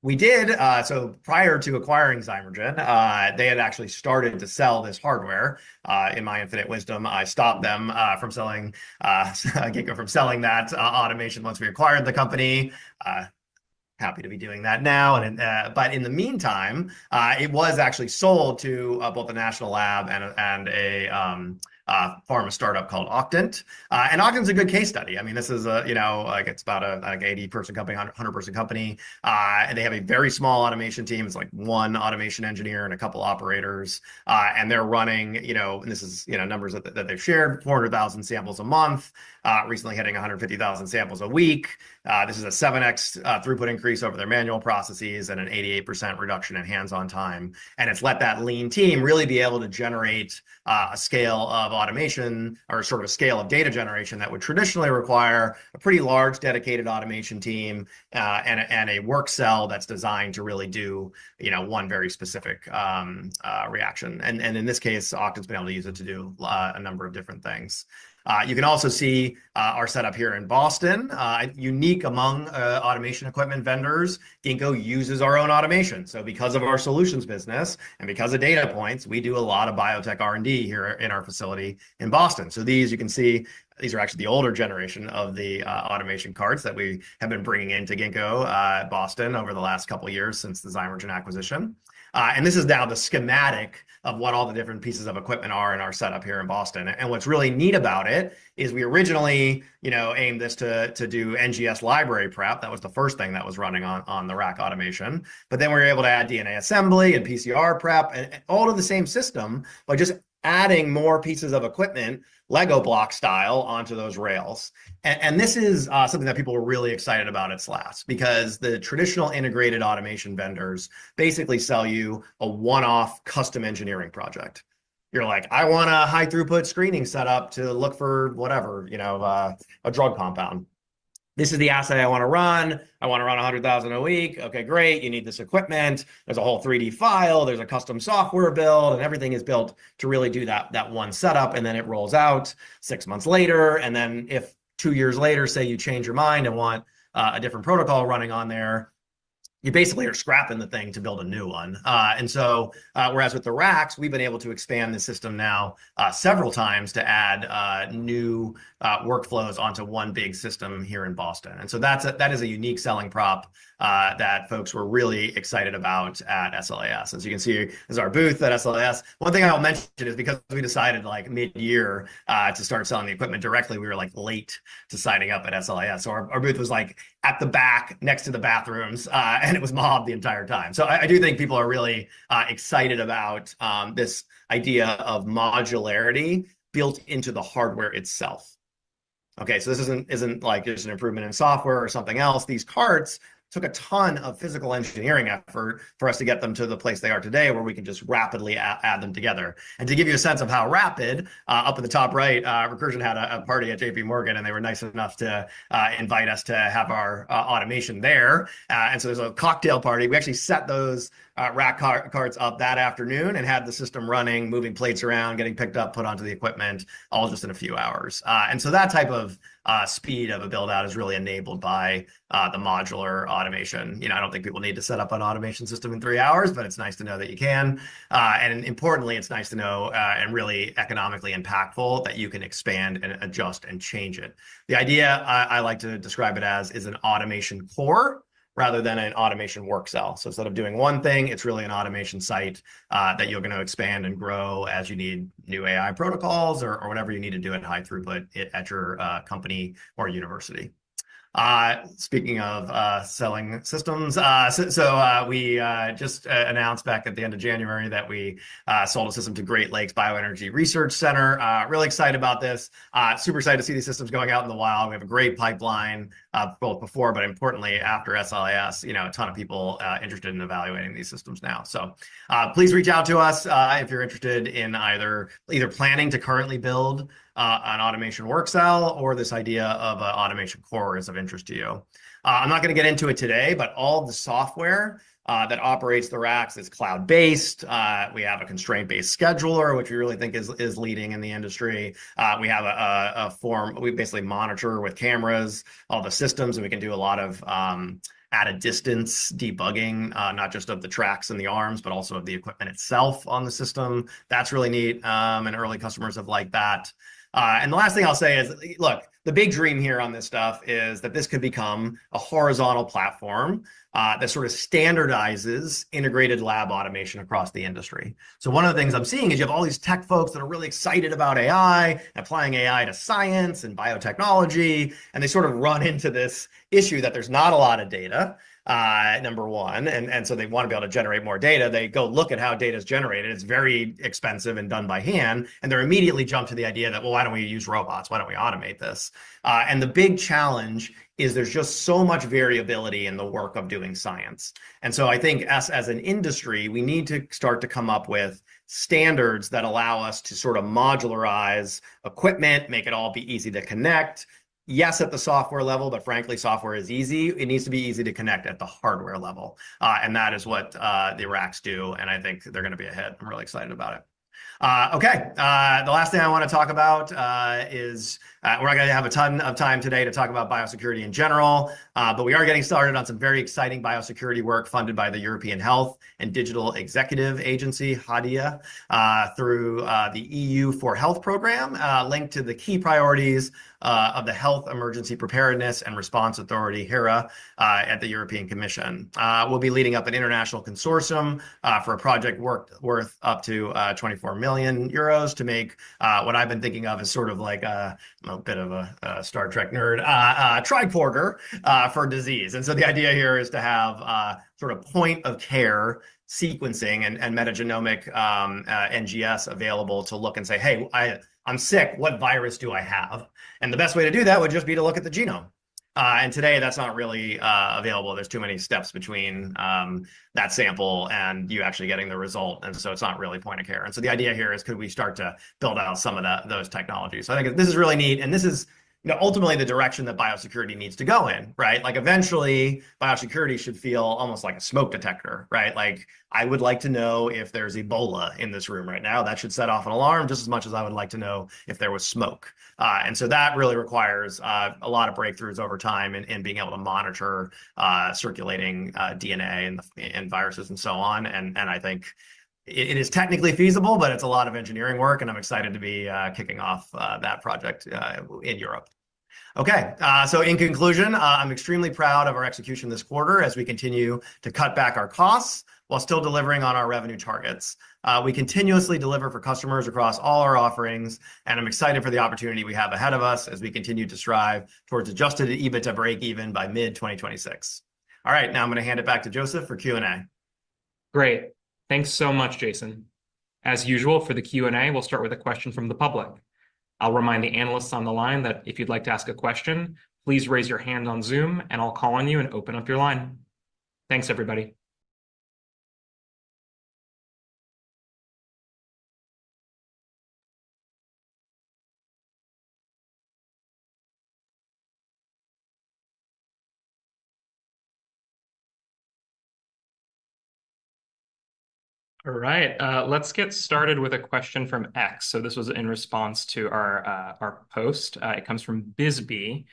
We did, so prior to acquiring Zymergen, they had actually started to sell this hardware. In my infinite wisdom, I stopped them from selling Ginkgo, from selling that automation once we acquired the company. Happy to be doing that now. But in the meantime, it was actually sold to both a national lab and a pharma start-up called Octant. And Octant's a good case study. I mean, this is a, you know, it's about an 80-person company, 100-person company. And they have a very small automation team. It's like one automation engineer and a couple of operators. And they're running, you know, and this is, you know, numbers that they've shared, 400,000 samples a month, recently hitting 150,000 samples a week. This is a 7x throughput increase over their manual processes and an 88% reduction in hands-on time. And it's let that lean team really be able to generate a scale of automation or sort of a scale of data generation that would traditionally require a pretty large dedicated automation team and a work cell that's designed to really do, you know, one very specific reaction. And in this case, Octant's been able to use it to do a number of different things. You can also see our setup here in Boston. Unique among automation equipment vendors, Ginkgo uses our own automation. So because of our solutions business and because of Datapoints, we do a lot of biotech R&D here in our facility in Boston. So these, you can see, these are actually the older generation of the automation carts that we have been bringing into Ginkgo at Boston over the last couple of years since the Zymergen acquisition. This is now the schematic of what all the different pieces of equipment are in our setup here in Boston. What's really neat about it is we originally, you know, aimed this to do NGS library prep. That was the first thing that was running on the rack automation. We were able to add DNA assembly and PCR prep and all of the same system, but just adding more pieces of equipment, Lego block style, onto those rails. This is something that people were really excited about at SLAS because the traditional integrated automation vendors basically sell you a one-off custom engineering project. You're like, "I want a high-throughput screening setup to look for whatever, you know, a drug compound. This is the assay I want to run. I want to run 100,000 a week." Okay, great. You need this equipment. There's a whole 3D file. There's a custom software build, and everything is built to really do that one setup, and then it rolls out six months later, and then if two years later, say you change your mind and want a different protocol running on there, you basically are scrapping the thing to build a new one, and so, whereas with the RACs, we've been able to expand the system now several times to add new workflows onto one big system here in Boston, and so that is a unique selling proposition that folks were really excited about at SLAS. As you can see, this is our booth at SLAS. One thing I'll mention is because we decided like mid-year to start selling the equipment directly, we were like late to signing up at SLAS. Our booth was like at the back next to the bathrooms, and it was mobbed the entire time. So I do think people are really excited about this idea of modularity built into the hardware itself. Okay, so this isn't like just an improvement in software or something else. These carts took a ton of physical engineering effort for us to get them to the place they are today where we can just rapidly add them together. And to give you a sense of how rapid, up at the top right, Recursion had a party at JPMorgan, and they were nice enough to invite us to have our automation there. And so there's a cocktail party. We actually set those RAC carts up that afternoon and had the system running, moving plates around, getting picked up, put onto the equipment, all just in a few hours. And so that type of speed of a build-out is really enabled by the modular automation. You know, I don't think people need to set up an automation system in three hours, but it's nice to know that you can. And importantly, it's nice to know and really economically impactful that you can expand and adjust and change it. The idea I like to describe it as is an automation core rather than an automation work cell. So instead of doing one thing, it's really an automation site that you're going to expand and grow as you need new AI protocols or whatever you need to do at high throughput at your company or university. Speaking of selling systems, so we just announced back at the end of January that we sold a system to Great Lakes Bioenergy Research Center. Really excited about this. Super excited to see these systems going out in the wild. We have a great pipeline, both before, but importantly, after SLAS, you know, a ton of people interested in evaluating these systems now. So please reach out to us if you're interested in either planning to currently build an automation work cell or this idea of an automation core is of interest to you. I'm not going to get into it today, but all the software that operates the RACs is cloud-based. We have a constraint-based scheduler, which we really think is leading in the industry. We have a form we basically monitor with cameras all the systems, and we can do a lot of at a distance debugging, not just of the tracks and the arms, but also of the equipment itself on the system. That's really neat, and early customers have liked that. And the last thing I'll say is, look, the big dream here on this stuff is that this could become a horizontal platform that sort of standardizes integrated lab automation across the industry. So one of the things I'm seeing is you have all these tech folks that are really excited about AI, applying AI to science and biotechnology, and they sort of run into this issue that there's not a lot of data, number one. And so they want to be able to generate more data. They go look at how data is generated. It's very expensive and done by hand. And they're immediately jumped to the idea that, well, why don't we use robots? Why don't we automate this? And the big challenge is there's just so much variability in the work of doing science. And so I think as an industry, we need to start to come up with standards that allow us to sort of modularize equipment, make it all be easy to connect. Yes, at the software level, but frankly, software is easy. It needs to be easy to connect at the hardware level. And that is what the RACs do, and I think they're going to be ahead. I'm really excited about it. Okay, the last thing I want to talk about is we're not going to have a ton of time today to talk about Biosecurity in general, but we are getting started on some very exciting Biosecurity work funded by the European Health and Digital Executive Agency ,HaDEA, through the EU4Health program, linked to the key priorities of the Health Emergency Preparedness and Response Authority, HERA, at the European Commission. We'll be leading an international consortium for a project worth up to 24 million euros to make what I've been thinking of as sort of like a bit of a Star Trek nerd, tricorder for disease. The idea here is to have sort of point of care sequencing and metagenomic NGS available to look and say, "Hey, I'm sick. What virus do I have?" The best way to do that would just be to look at the genome. Today, that's not really available. There's too many steps between that sample and you actually getting the result. It's not really point of care. The idea here is, could we start to build out some of those technologies? I think this is really neat. This is, you know, ultimately the direction that Biosecurity needs to go in, right? Like eventually, Biosecurity should feel almost like a smoke detector, right? Like I would like to know if there's Ebola in this room right now. That should set off an alarm just as much as I would like to know if there was smoke, and so that really requires a lot of breakthroughs over time and being able to monitor circulating DNA and viruses and so on, and I think it is technically feasible, but it's a lot of engineering work, and I'm excited to be kicking off that project in Europe. Okay, so in conclusion, I'm extremely proud of our execution this quarter as we continue to cut back our costs while still delivering on our revenue targets. We continuously deliver for customers across all our offerings, and I'm excited for the opportunity we have ahead of us as we continue to strive towards adjusted EBITDA break even by mid-2026. All right, now I'm going to hand it back to Joseph for Q&A. Great. Thanks so much, Jason. As usual, for the Q&A, we'll start with a question from the public. I'll remind the analysts on the line that if you'd like to ask a question, please raise your hand on Zoom, and I'll call on you and open up your line. Thanks, everybody. All right, let's get started with a question from X. So this was in response to our post. It comes from Bisbee.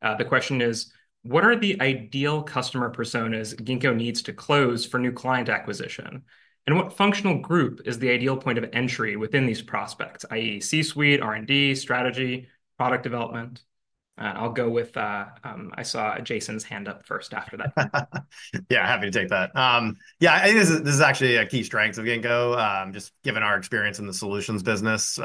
The question is, what are the ideal customer personas Ginkgo needs to close for new client acquisition? And what functional group is the ideal point of entry within these prospects, i.e., C-suite, R&D, strategy, product development? I'll go with. I saw Jason's hand up first after that. Yeah, happy to take that. Yeah, I think this is actually a key strength of Ginkgo, just given our experience in the solutions business.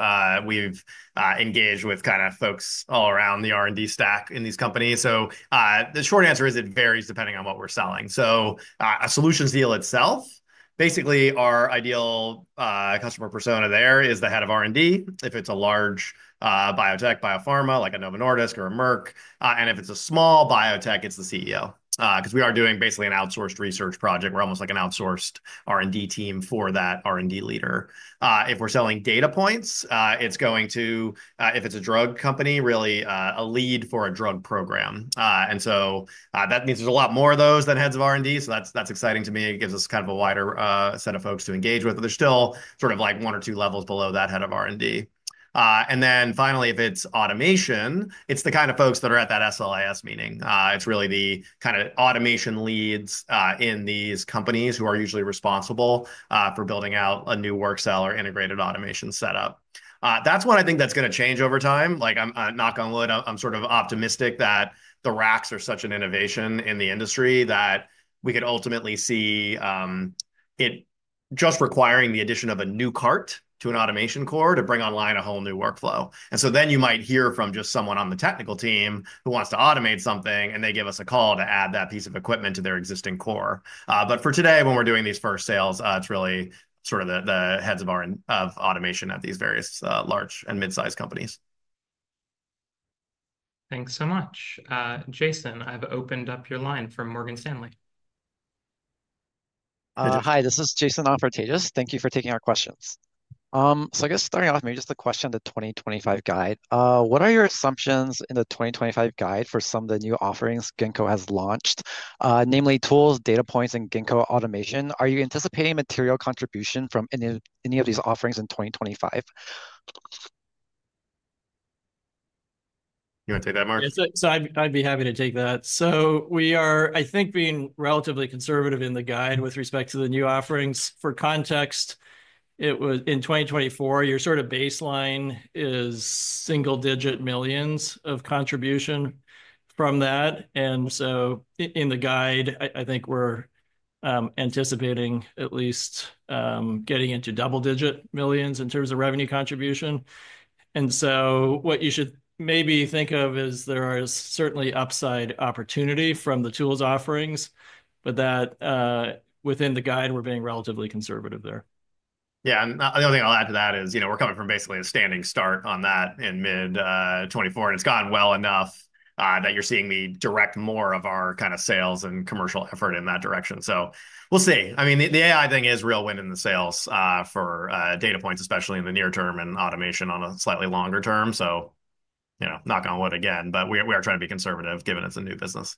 We've engaged with kind of folks all around the R&D stack in these companies. So the short answer is it varies depending on what we're selling. So a solutions deal itself, basically our ideal customer persona there is the head of R&D. If it's a large biotech, biopharma like a Novo Nordisk or a Merck, and if it's a small biotech, it's the CEO, because we are doing basically an outsourced research project. We're almost like an outsourced R&D team for that R&D leader. If we're selling Datapoints, it's going to, if it's a drug company, really a lead for a drug program. And so that means there's a lot more of those than heads of R&D. So that's exciting to me. It gives us kind of a wider set of folks to engage with, but there's still sort of like one or two levels below that head of R&D. And then finally, if it's automation, it's the kind of folks that are at that SLAS meeting. It's really the kind of automation leads in these companies who are usually responsible for building out a new work cell or integrated automation setup. That's what I think that's going to change over time. Like, I'm knock on wood, I'm sort of optimistic that the RACs are such an innovation in the industry that we could ultimately see it just requiring the addition of a new cart to an automation core to bring online a whole new workflow. And so then you might hear from just someone on the technical team who wants to automate something, and they give us a call to add that piece of equipment to their existing core. But for today, when we're doing these first sales, it's really sort of the heads of automation at these various large and mid-sized companies. Thanks so much. Jason, I've opened up your line from Morgan Stanley. Hi, this is Jason Kritzer. Thank you for taking our questions. So I guess starting off, maybe just the question, the 2025 guide. What are your assumptions in the 2025 guide for some of the new offerings Ginkgo has launched, namely tools, Datapoints, and Ginkgo Automation? Are you anticipating material contribution from any of these offerings in 2025? You want to take that, Mark? So I'd be happy to take that. So we are, I think, being relatively conservative in the guide with respect to the new offerings. For context, in 2024, your sort of baseline is single-digit millions of contribution from that. And so in the guide, I think we're anticipating at least getting into double-digit millions in terms of revenue contribution. And so what you should maybe think of is there is certainly upside opportunity from the tools offerings, but that within the guide, we're being relatively conservative there. Yeah, and the other thing I'll add to that is, you know, we're coming from basically a standing start on that in mid-2024, and it's gone well enough that you're seeing me direct more of our kind of sales and commercial effort in that direction. So we'll see. I mean, the AI thing is real wind in the sales for Datapoints, especially in the near term and automation on a slightly longer term. So, you know, knock on wood again, but we are trying to be conservative given it's a new business.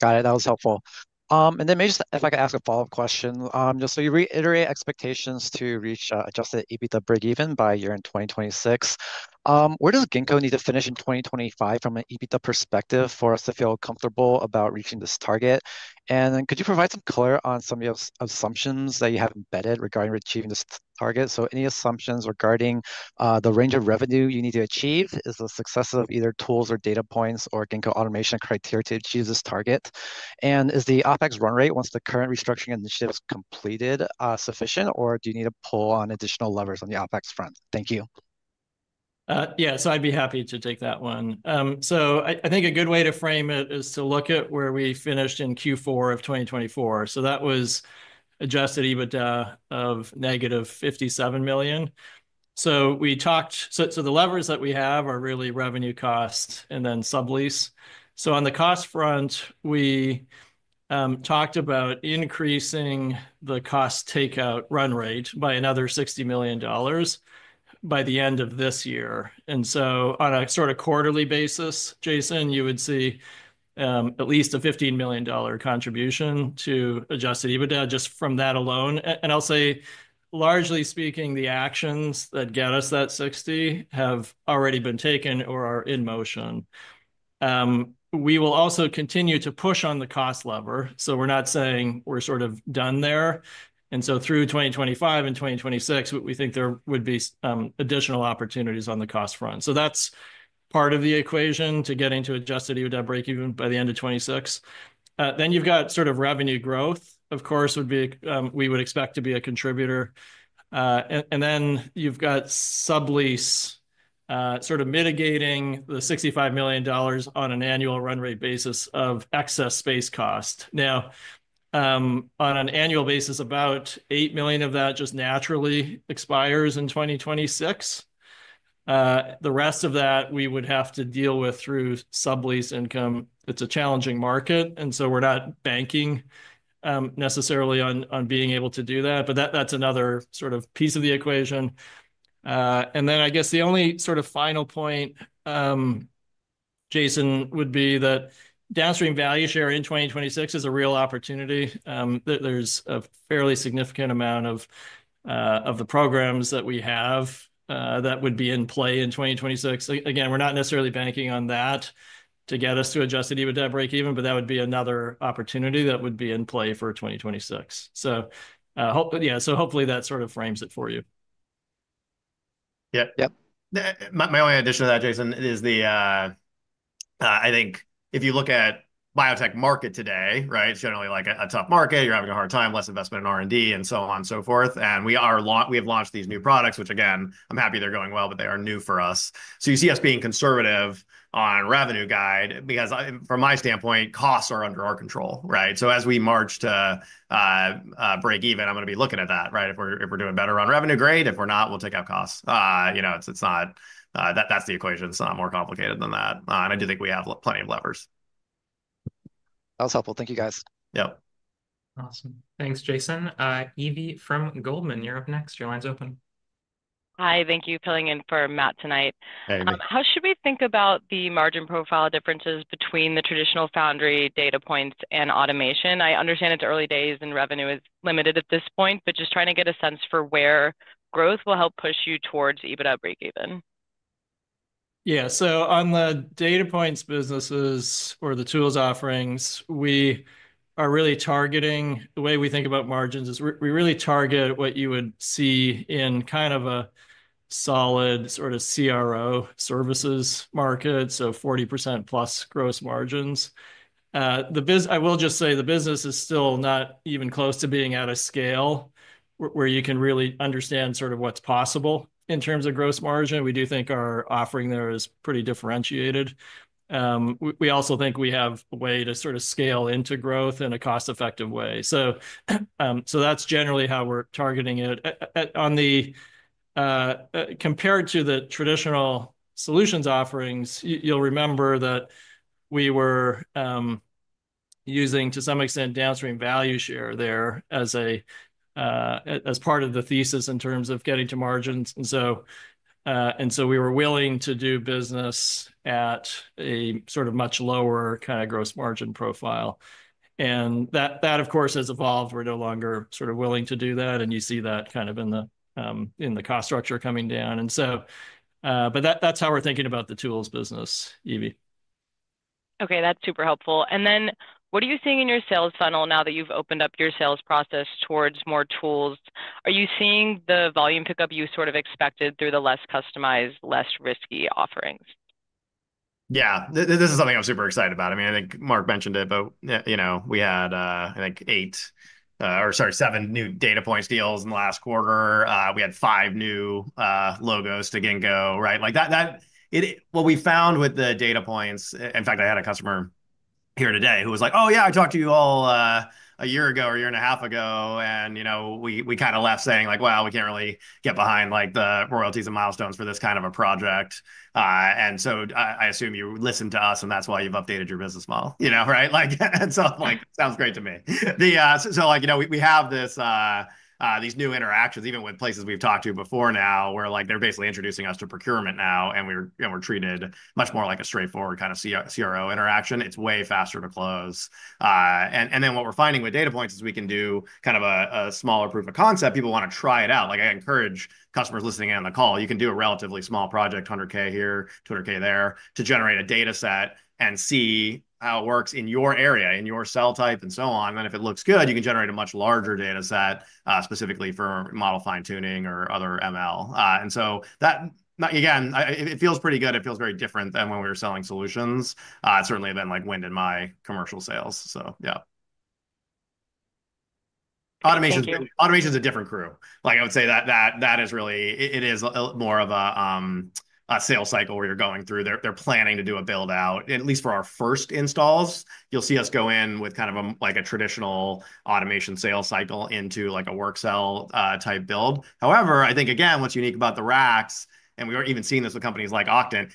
Got it. That was helpful. And then maybe just if I could ask a follow-up question, just so you reiterate expectations to reach adjusted EBITDA break even by year-end in 2026. Where does Ginkgo need to finish in 2025 from an EBITDA perspective for us to feel comfortable about reaching this target? And then could you provide some color on some of your assumptions that you have embedded regarding achieving this target? So any assumptions regarding the range of revenue you need to achieve is the success of either tools or Datapoints or Ginkgo Automation criteria to achieve this target? And is the OpEx run rate, once the current restructuring initiative is completed, sufficient, or do you need to pull on additional levers on the OpEx front? Thank you. Yeah, so I'd be happy to take that one. So I think a good way to frame it is to look at where we finished in Q4 of 2024. So that was adjusted EBITDA of negative $57 million. So we talked, so the levers that we have are really revenue costs and then sublease. On the cost front, we talked about increasing the cost takeout run rate by another $60 million by the end of this year. And so on a sort of quarterly basis, Jason, you would see at least a $15 million contribution to adjusted EBITDA just from that alone. And I'll say, largely speaking, the actions that get us that 60 have already been taken or are in motion. We will also continue to push on the cost lever. So we're not saying we're sort of done there. And so through 2025 and 2026, we think there would be additional opportunities on the cost front. So that's part of the equation to getting to adjusted EBITDA break even by the end of 2026. Then you've got sort of revenue growth, of course, would be we would expect to be a contributor. And then you've got sublease sort of mitigating the $65 million on an annual run rate basis of excess space cost. Now, on an annual basis, about $8 million of that just naturally expires in 2026. The rest of that we would have to deal with through sublease income. It's a challenging market, and so we're not banking necessarily on being able to do that, but that's another sort of piece of the equation. And then I guess the only sort of final point, Jason, would be that downstream value share in 2026 is a real opportunity. There's a fairly significant amount of the programs that we have that would be in play in 2026. Again, we're not necessarily banking on that to get us to adjusted EBITDA break even, but that would be another opportunity that would be in play for 2026. So yeah, so hopefully that sort of frames it for you. Yeah. Yep. My only addition to that, Jason, is the, I think if you look at biotech market today, right, it's generally like a tough market. You're having a hard time, less investment in R&D and so on and so forth. And we have launched these new products, which again, I'm happy they're going well, but they are new for us. So you see us being conservative on revenue guide because from my standpoint, costs are under our control, right? So as we march to break even, I'm going to be looking at that, right? If we're doing better on revenue guide, if we're not, we'll take out costs. You know, it's not that that's the equation. It's not more complicated than that. And I do think we have plenty of levers. That was helpful. Thank you, guys. Yep. Awesome. Thanks, Jason. Evie from Goldman, you're up next. Your line's open. Hi, thank you for filling in for Matt tonight. How should we think about the margin profile differences between the traditional Foundry Datapoints and automation? I understand it's early days and revenue is limited at this point, but just trying to get a sense for where growth will help push you towards EBITDA break even. Yeah, so on the Datapoints businesses or the tools offerings, we are really targeting the way we think about margins is we really target what you would see in kind of a solid sort of CRO services market, so 40% + gross margins. I will just say the business is still not even close to being at a scale where you can really understand sort of what's possible in terms of gross margin. We do think our offering there is pretty differentiated. We also think we have a way to sort of scale into growth in a cost-effective way. So that's generally how we're targeting it. Compared to the traditional solutions offerings, you'll remember that we were using, to some extent, downstream value share there as part of the thesis in terms of getting to margins. And so we were willing to do business at a sort of much lower kind of gross margin profile. And that, of course, has evolved. We're no longer sort of willing to do that. And you see that kind of in the cost structure coming down. And so, but that's how we're thinking about the tools business, Evie. Okay, that's super helpful. And then what are you seeing in your sales funnel now that you've opened up your sales process towards more tools? Are you seeing the volume pickup you sort of expected through the less customized, less risky offerings? Yeah, this is something I'm super excited about. I mean, I think Mark mentioned it, but you know we had, I think, eight or sorry, seven new Datapoints deals in the last quarter. We had five new logos to Ginkgo, right? Like that, what we found with the Datapoints, in fact, I had a customer here today who was like, Oh yeah, I talked to you all a year ago or a year and a half ago. And you know we kind of left saying like, Well, we can't really get behind the royalties and milestones for this kind of a project. And so I assume you listened to us and that's why you've updated your business model, you know, right? And so it sounds great to me. So like you know we have these new interactions, even with places we've talked to before now where like they're basically introducing us to procurement now and we're treated much more like a straightforward kind of CRO interaction. It's way faster to close. And then what we're finding with Datapoints is we can do kind of a smaller proof of concept. People want to try it out. Like I encourage customers listening in on the call, you can do a relatively small project, $100,000 here, $200,000 there, to generate a data set and see how it works in your area, in your cell type and so on. And then if it looks good, you can generate a much larger data set specifically for model fine-tuning or other ML. And so that, again, it feels pretty good. It feels very different than when we were selling solutions, certainly than, like, when in my commercial sales. So yeah. Automation's a different crew. Like I would say that that is really, it is more of a sales cycle where you're going through. They're planning to do a build-out. At least for our first installs, you'll see us go in with kind of a like a traditional automation sales cycle into like a work cell type build. However, I think again, what's unique about the RACs, and we're even seeing this with companies like Octant,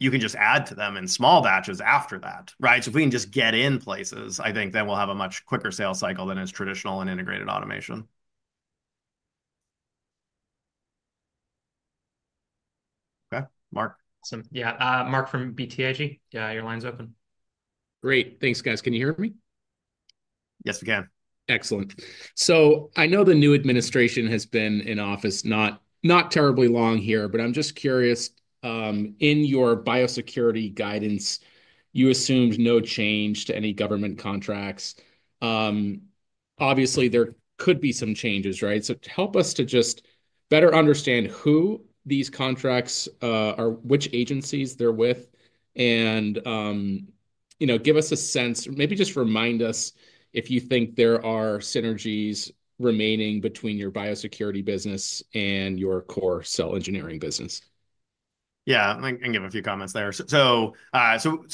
you can just add to them in small batches after that, right? So if we can just get in places, I think then we'll have a much quicker sales cycle than is traditional and integrated automation. Okay, Mark. Awesome. Yeah, Mark from BTIG, your line's open. Great. Thanks, guys. Can you hear me? Yes, we can. Excellent. So I know the new administration has been in office not terribly long here, but I'm just curious. In your Biosecurity guidance, you assumed no change to any government contracts. Obviously, there could be some changes, right? So help us to just better understand who these contracts are, which agencies they're with, and you know give us a sense, maybe just remind us if you think there are synergies remaining between your Biosecurity business and your core Cell Engineering business. Yeah, I can give a few comments there. So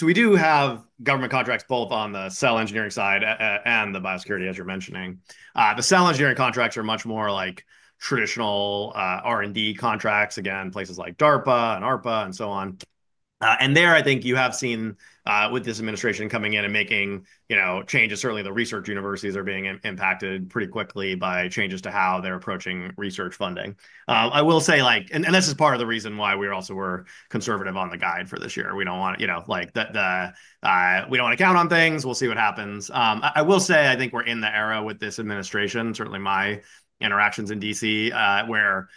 we do have government contracts both on the Cell Engineering side and the Biosecurity, as you're mentioning. The Cell Engineering contracts are much more like traditional R&D contracts, again, places like DARPA and ARPA and so on. And there, I think you have seen with this administration coming in and making changes. Certainly the research universities are being impacted pretty quickly by changes to how they're approaching research funding. I will say, like, and this is part of the reason why we also were conservative on the guide for this year. We don't want, you know, like the, we don't want to count on things. We'll see what happens. I will say, I think we're in the era with this administration, certainly my interactions in DC, where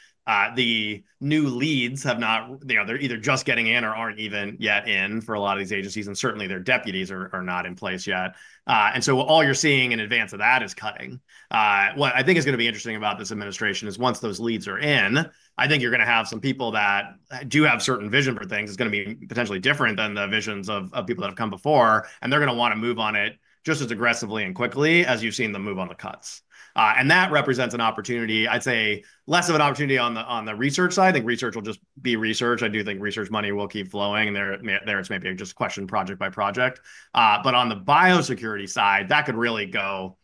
the new leads have not, you know, they're either just getting in or aren't even yet in for a lot of these agencies, and certainly their deputies are not in place yet. And so all you're seeing in advance of that is cutting. What I think is going to be interesting about this administration is once those leads are in, I think you're going to have some people that do have certain vision for things is going to be potentially different than the visions of people that have come before, and they're going to want to move on it just as aggressively and quickly as you've seen them move on the cuts. And that represents an opportunity, I'd say less of an opportunity on the research side. I think research will just be research. I do think research money will keep flowing, and there it's maybe just questioned project by project. But on the Biosecurity side, that could really go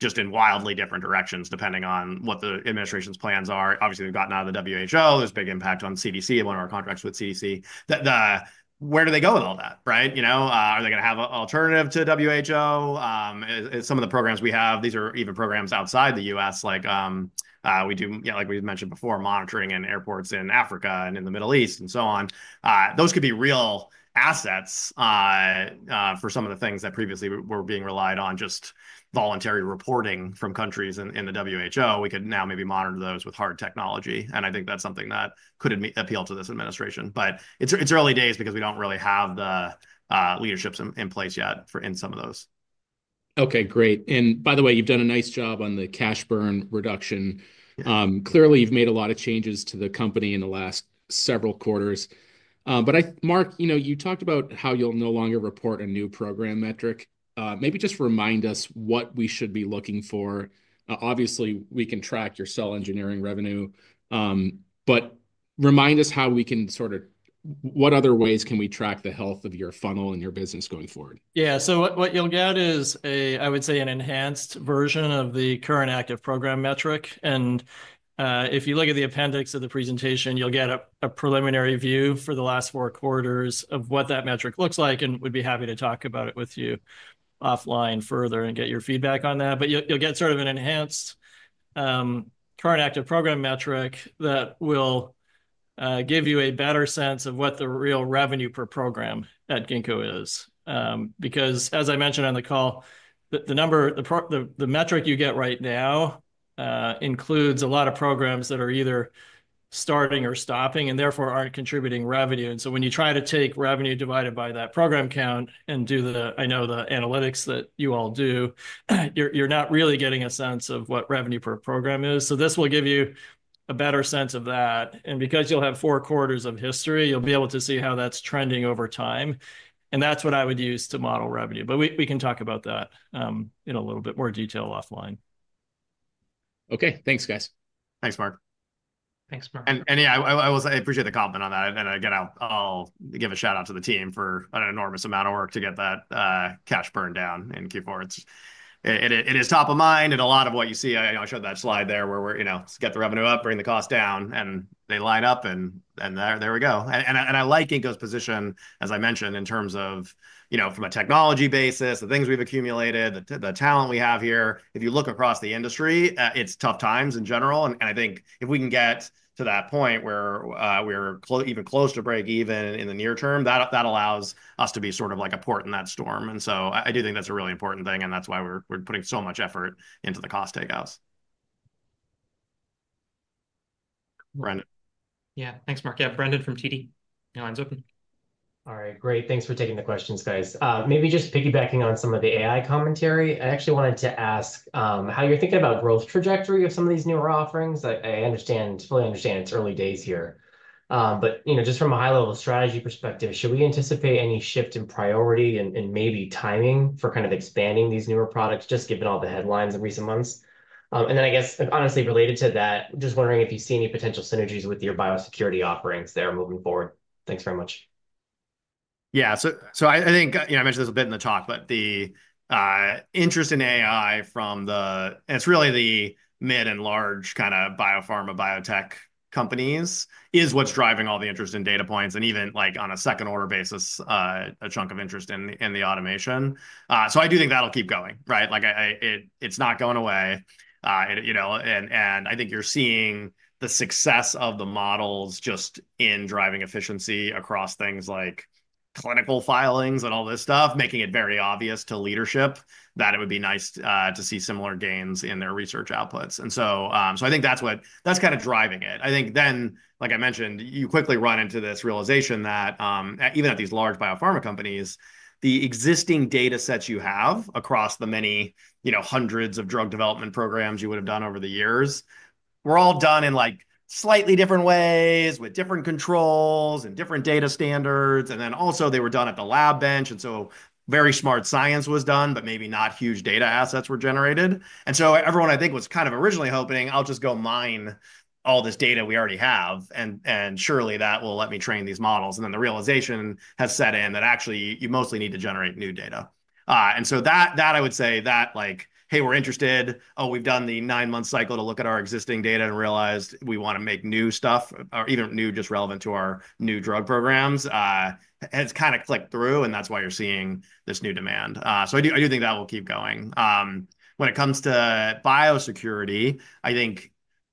just in wildly different directions depending on what the administration's plans are. Obviously, we've gotten out of the WHO. There's a big impact on CDC, one of our contracts with CDC. Where do they go with all that, right? You know, are they going to have an alternative to WHO? Some of the programs we have, these are even programs outside the U.S. like we do, like we mentioned before, monitoring in airports in Africa and in the Middle East and so on. Those could be real assets for some of the things that previously were being relied on, just voluntary reporting from countries in the WHO. We could now maybe monitor those with hard technology, and I think that's something that could appeal to this administration, but it's early days because we don't really have the leaderships in place yet for in some of those. Okay, great, and by the way, you've done a nice job on the cash burn reduction. Clearly, you've made a lot of changes to the company in the last several quarters. But Mark, you know, you talked about how you'll no longer report a new program metric. Maybe just remind us what we should be looking for. Obviously, we can track your Cell Engineering revenue, but remind us how we can sort of, what other ways can we track the health of your funnel and your business going forward? Yeah, so what you'll get is a, I would say, an enhanced version of the current active program metric. And if you look at the appendix of the presentation, you'll get a preliminary view for the last four quarters of what that metric looks like and would be happy to talk about it with you offline further and get your feedback on that. But you'll get sort of an enhanced current active program metric that will give you a better sense of what the real revenue per program at Ginkgo is. Because, as I mentioned on the call, the number, the metric you get right now includes a lot of programs that are either starting or stopping and therefore aren't contributing revenue. And so when you try to take revenue divided by that program count and do the, I know the analytics that you all do, you're not really getting a sense of what revenue per program is. So this will give you a better sense of that. And because you'll have four quarters of history, you'll be able to see how that's trending over time. And that's what I would use to model revenue. But we can talk about that in a little bit more detail offline. Okay, thanks, guys. Thanks, Mark. Thanks, Mark. And yeah, I appreciate the compliment on that. Again, I'll give a shout out to the team for an enormous amount of work to get that cash burned down in Q4. It is top of mind and a lot of what you see. I showed that slide there where we're, you know, get the revenue up, bring the cost down, and they line up and there we go. I like Ginkgo's position, as I mentioned, in terms of, you know, from a technology basis, the things we've accumulated, the talent we have here. If you look across the industry, it's tough times in general. I think if we can get to that point where we're even close to break even in the near term, that allows us to be sort of like a port in that storm. So I do think that's a really important thing. And that's why we're putting so much effort into the cost takeouts. Brendan. Yeah, thanks, Mark. Yeah, Brendan from TD. No one's open. All right, great. Thanks for taking the questions, guys. Maybe just piggybacking on some of the AI commentary, I actually wanted to ask how you're thinking about growth trajectory of some of these newer offerings. I understand, fully understand it's early days here. But you know, just from a high-level strategy perspective, should we anticipate any shift in priority and maybe timing for kind of expanding these newer products, just given all the headlines in recent months? And then I guess, honestly, related to that, just wondering if you see any potential synergies with your Biosecurity offerings there moving forward. Thanks very much. Yeah, so I think, you know, I mentioned this a bit in the talk, but the interest in AI from the, and it's really the mid and large kind of biopharma biotech companies is what's driving all the interest in Datapoints and even like on a second-order basis, a chunk of interest in the automation, so I do think that'll keep going, right? Like it's not going away. You know, and I think you're seeing the success of the models just in driving efficiency across things like clinical filings and all this stuff, making it very obvious to leadership that it would be nice to see similar gains in their research outputs, and so I think that's what that's kind of driving it. I think then, like I mentioned, you quickly run into this realization that even at these large biopharma companies, the existing data sets you have across the many, you know, hundreds of drug development programs you would have done over the years, were all done in like slightly different ways with different controls and different data standards. And then also they were done at the lab bench. And so very smart science was done, but maybe not huge data assets were generated. And so everyone I think was kind of originally hoping, I'll just go mine all this data we already have. And surely that will let me train these models. And then the realization has set in that actually you mostly need to generate new data. And so that I would say that like, hey, we're interested. Oh, we've done the nine-month cycle to look at our existing data and realized we want to make new stuff or even new just relevant to our new drug programs. It's kind of clicked through and that's why you're seeing this new demand. So I do think that will keep going. When it comes to Biosecurity, I think,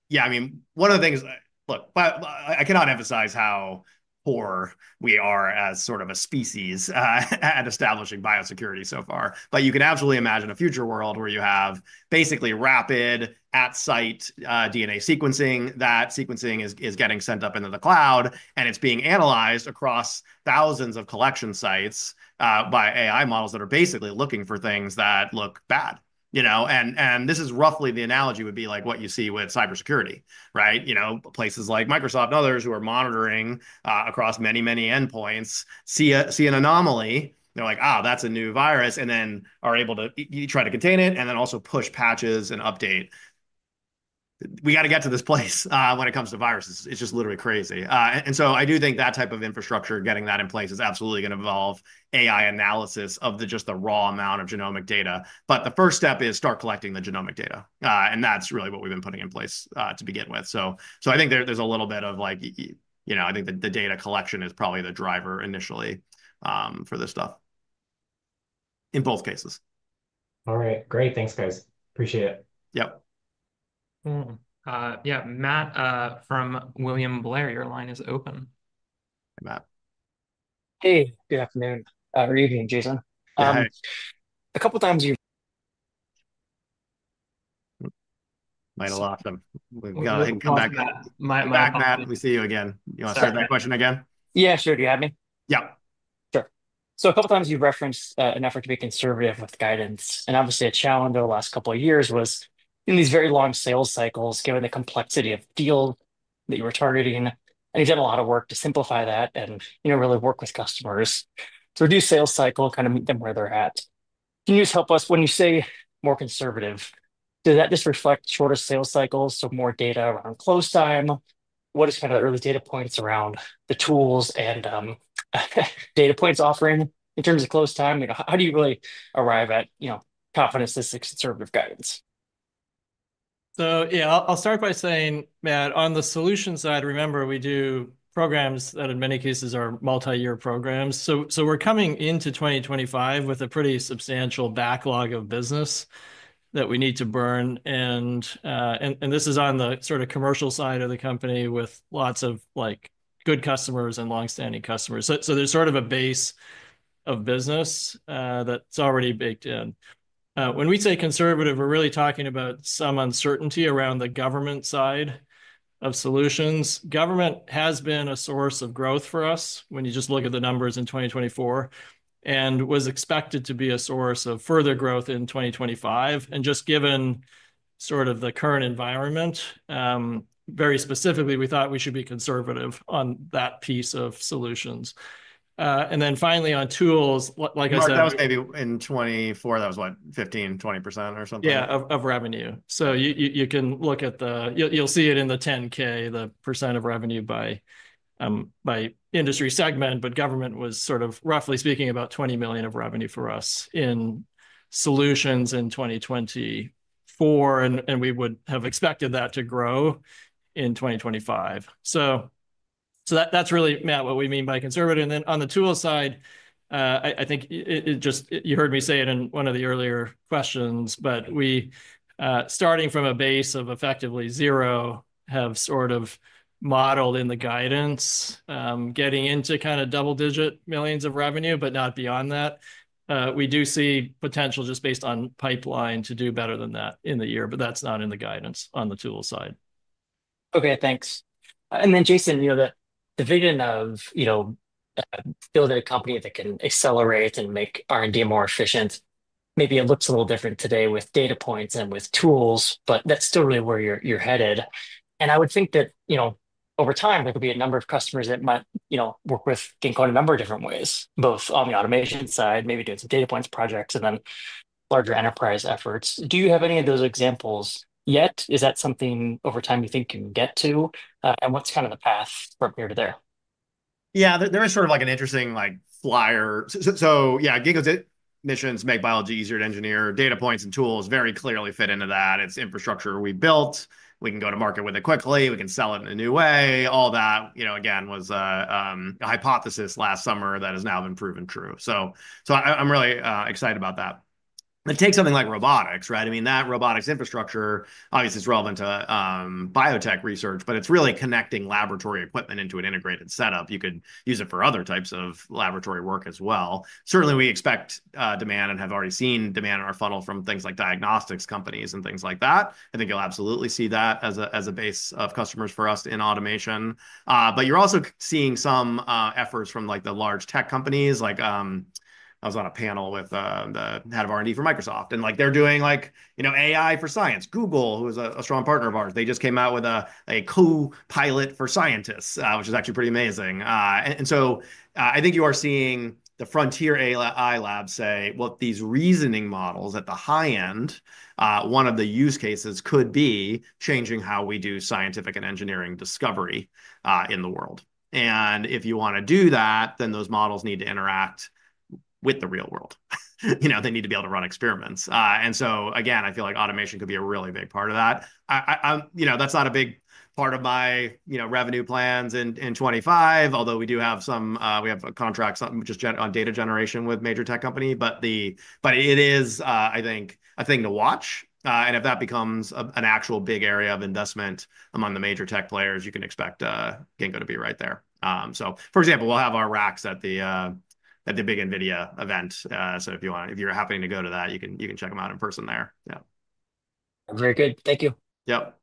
yeah, I mean, one of the things, look, I cannot emphasize how poor we are as sort of a species at establishing Biosecurity so far, but you can absolutely imagine a future world where you have basically rapid at-site DNA sequencing, that sequencing is getting sent up into the cloud and it's being analyzed across thousands of collection sites by AI models that are basically looking for things that look bad. You know, and this is roughly the analogy would be like what you see with cybersecurity, right? You know, places like Microsoft and others who are monitoring across many, many endpoints see an anomaly. They're like, oh, that's a new virus and then are able to try to contain it and then also push patches and update. We got to get to this place when it comes to viruses. It's just literally crazy. And so I do think that type of infrastructure, getting that in place is absolutely going to evolve AI analysis of just the raw amount of genomic data. But the first step is start collecting the genomic data. And that's really what we've been putting in place to begin with. So I think there's a little bit of like, you know, I think the data collection is probably the driver initially for this stuff in both cases. All right, great. Thanks, guys. Appreciate it. Yep Yeah, Matt from William Blair, your line is open. Hey, Matt. Hey, good afternoon. Or evening, Jason. A couple of times you might have lost him. We've got to come back. We see you again. You want to start that question again? Yeah, sure. Do you have me? Yep. Sure. So a couple of times you've referenced an effort to be conservative with guidance. And obviously, a challenge over the last couple of years was in these very long sales cycles, given the complexity of the deal that you were targeting. And you've done a lot of work to simplify that and, you know, really work with customers to reduce sales cycle, kind of meet them where they're at. Can you just help us when you say more conservative? Does that just reflect shorter sales cycles, so more data around close time? What is kind of the early Datapoints around the tools and Datapoints offering in terms of close time? How do you really arrive at, you know, confidence this is conservative guidance? So yeah, I'll start by saying, Matt, on the solution side, remember we do programs that in many cases are multi-year programs. So we're coming into 2025 with a pretty substantial backlog of business that we need to burn. And this is on the sort of commercial side of the company with lots of like good customers and long-standing customers. So there's sort of a base of business that's already baked in. When we say conservative, we're really talking about some uncertainty around the government side of solutions. Government has been a source of growth for us when you just look at the numbers in 2024 and was expected to be a source of further growth in 2025. Just given sort of the current environment, very specifically, we thought we should be conservative on that piece of solutions. Then finally on tools like I said, that was maybe in 2024, that was what, 15%-20% or something? Yeah, of revenue. So you can look at the, you'll see it in the 10-K, the percent of revenue by industry segment, but government was sort of roughly speaking about $20 million of revenue for us in solutions in 2024, and we would have expected that to grow in 2025. So that's really, Matt, what we mean by conservative. On the tool side, I think it just, you heard me say it in one of the earlier questions, but we starting from a base of effectively zero, have sort of modeled in the guidance, getting into kind of double-digit millions of revenue, but not beyond that. We do see potential just based on pipeline to do better than that in the year, but that's not in the guidance on the tool side. Okay, thanks. Jason, you know, the vision of, you know, building a company that can accelerate and make R&D more efficient, maybe it looks a little different today with Datapoints and with tools, but that's still really where you're headed. I would think that, you know, over time, there could be a number of customers that might, you know, work with Ginkgo in a number of different ways, both on the automation side, maybe doing some Datapoints projects and then larger enterprise efforts. Do you have any of those examples yet? Is that something over time you think you can get to? And what's kind of the path from here to there? Yeah, there is sort of like an interesting [flyer]. So yeah, Ginkgo's mission is to make biology easier to engineer. Datapoints and tools very clearly fit into that. It's infrastructure we built. We can go to market with it quickly. We can sell it in a new way. All that, you know, again, was a hypothesis last summer that has now been proven true. So I'm really excited about that. It takes something like robotics, right? I mean, that robotics infrastructure obviously is relevant to biotech research, but it's really connecting laboratory equipment into an integrated setup. You could use it for other types of laboratory work as well. Certainly, we expect demand and have already seen demand in our funnel from things like diagnostics companies and things like that. I think you'll absolutely see that as a base of customers for us in automation. But you're also seeing some efforts from like the large tech companies. Like I was on a panel with the head of R&D for Microsoft. And like they're doing like, you know, AI for science. Google, who is a strong partner of ours, they just came out with a co-pilot for scientists, which is actually pretty amazing. And so, I think you are seeing the frontier AI labs say, Well, these reasoning models at the high end, one of the use cases could be changing how we do scientific and engineering discovery in the world. And if you want to do that, then those models need to interact with the real world. You know, they need to be able to run experiments. And so again, I feel like automation could be a really big part of that. You know, that's not a big part of my, you know, revenue plans in 2025, although we do have some, we have a contract just on data generation with a major tech company. But it is, I think, a thing to watch. And if that becomes an actual big area of investment among the major tech players, you can expect Ginkgo to be right there. So for example, we'll have our RACs at the big NVIDIA event. So if you want, if you're happening to go to that, you can check them out in person there. Yeah. Very good. Thank you. Yep.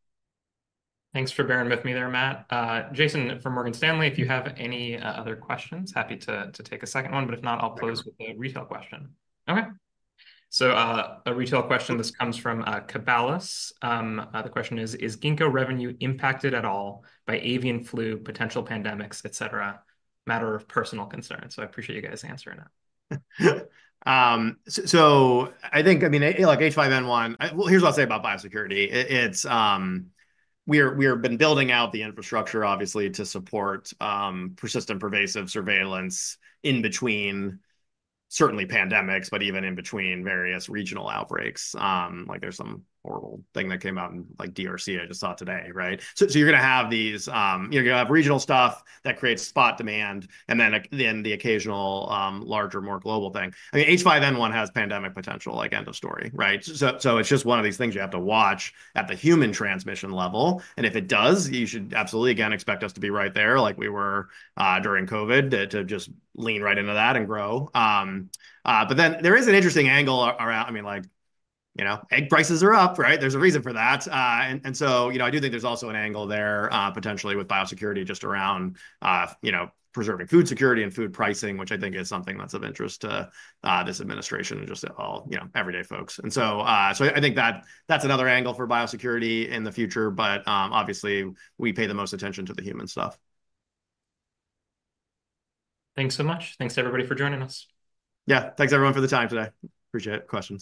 Thanks for bearing with me there, Matt. Jason from Morgan Stanley, if you have any other questions, happy to take a second one. But if not, I'll close with a retail question. Okay. So a retail question, this comes from Cabalis. The question is, is Ginkgo revenue impacted at all by avian flu, potential pandemics, et cetera? Matter of personal concern. So I appreciate you guys answering that. So I think, I mean, like H5N1, well, here's what I'll say about Biosecurity. We've been building out the infrastructure, obviously, to support persistent pervasive surveillance in between certainly pandemics, but even in between various regional outbreaks. Like there's some horrible thing that came out in like DRC, I just saw today, right? So you're going to have these, you know, you have regional stuff that creates spot demand and then the occasional larger, more global thing. I mean, H5N1 has pandemic potential, like end of story, right? So it's just one of these things you have to watch at the human transmission level, and if it does, you should absolutely again expect us to be right there like we were during COVID to just lean right into that and grow, but then there is an interesting angle around, I mean, like, you know, egg prices are up, right? There's a reason for that. And so, you know, I do think there's also an angle there potentially with Biosecurity just around, you know, preserving food security and food pricing, which I think is something that's of interest to this administration and just all, you know, everyday folks. And so I think that that's another angle for Biosecurity in the future, but obviously we pay the most attention to the human stuff. Thanks so much. Thanks to everybody for joining us. Yeah, thanks everyone for the time today. Appreciate [the] questions.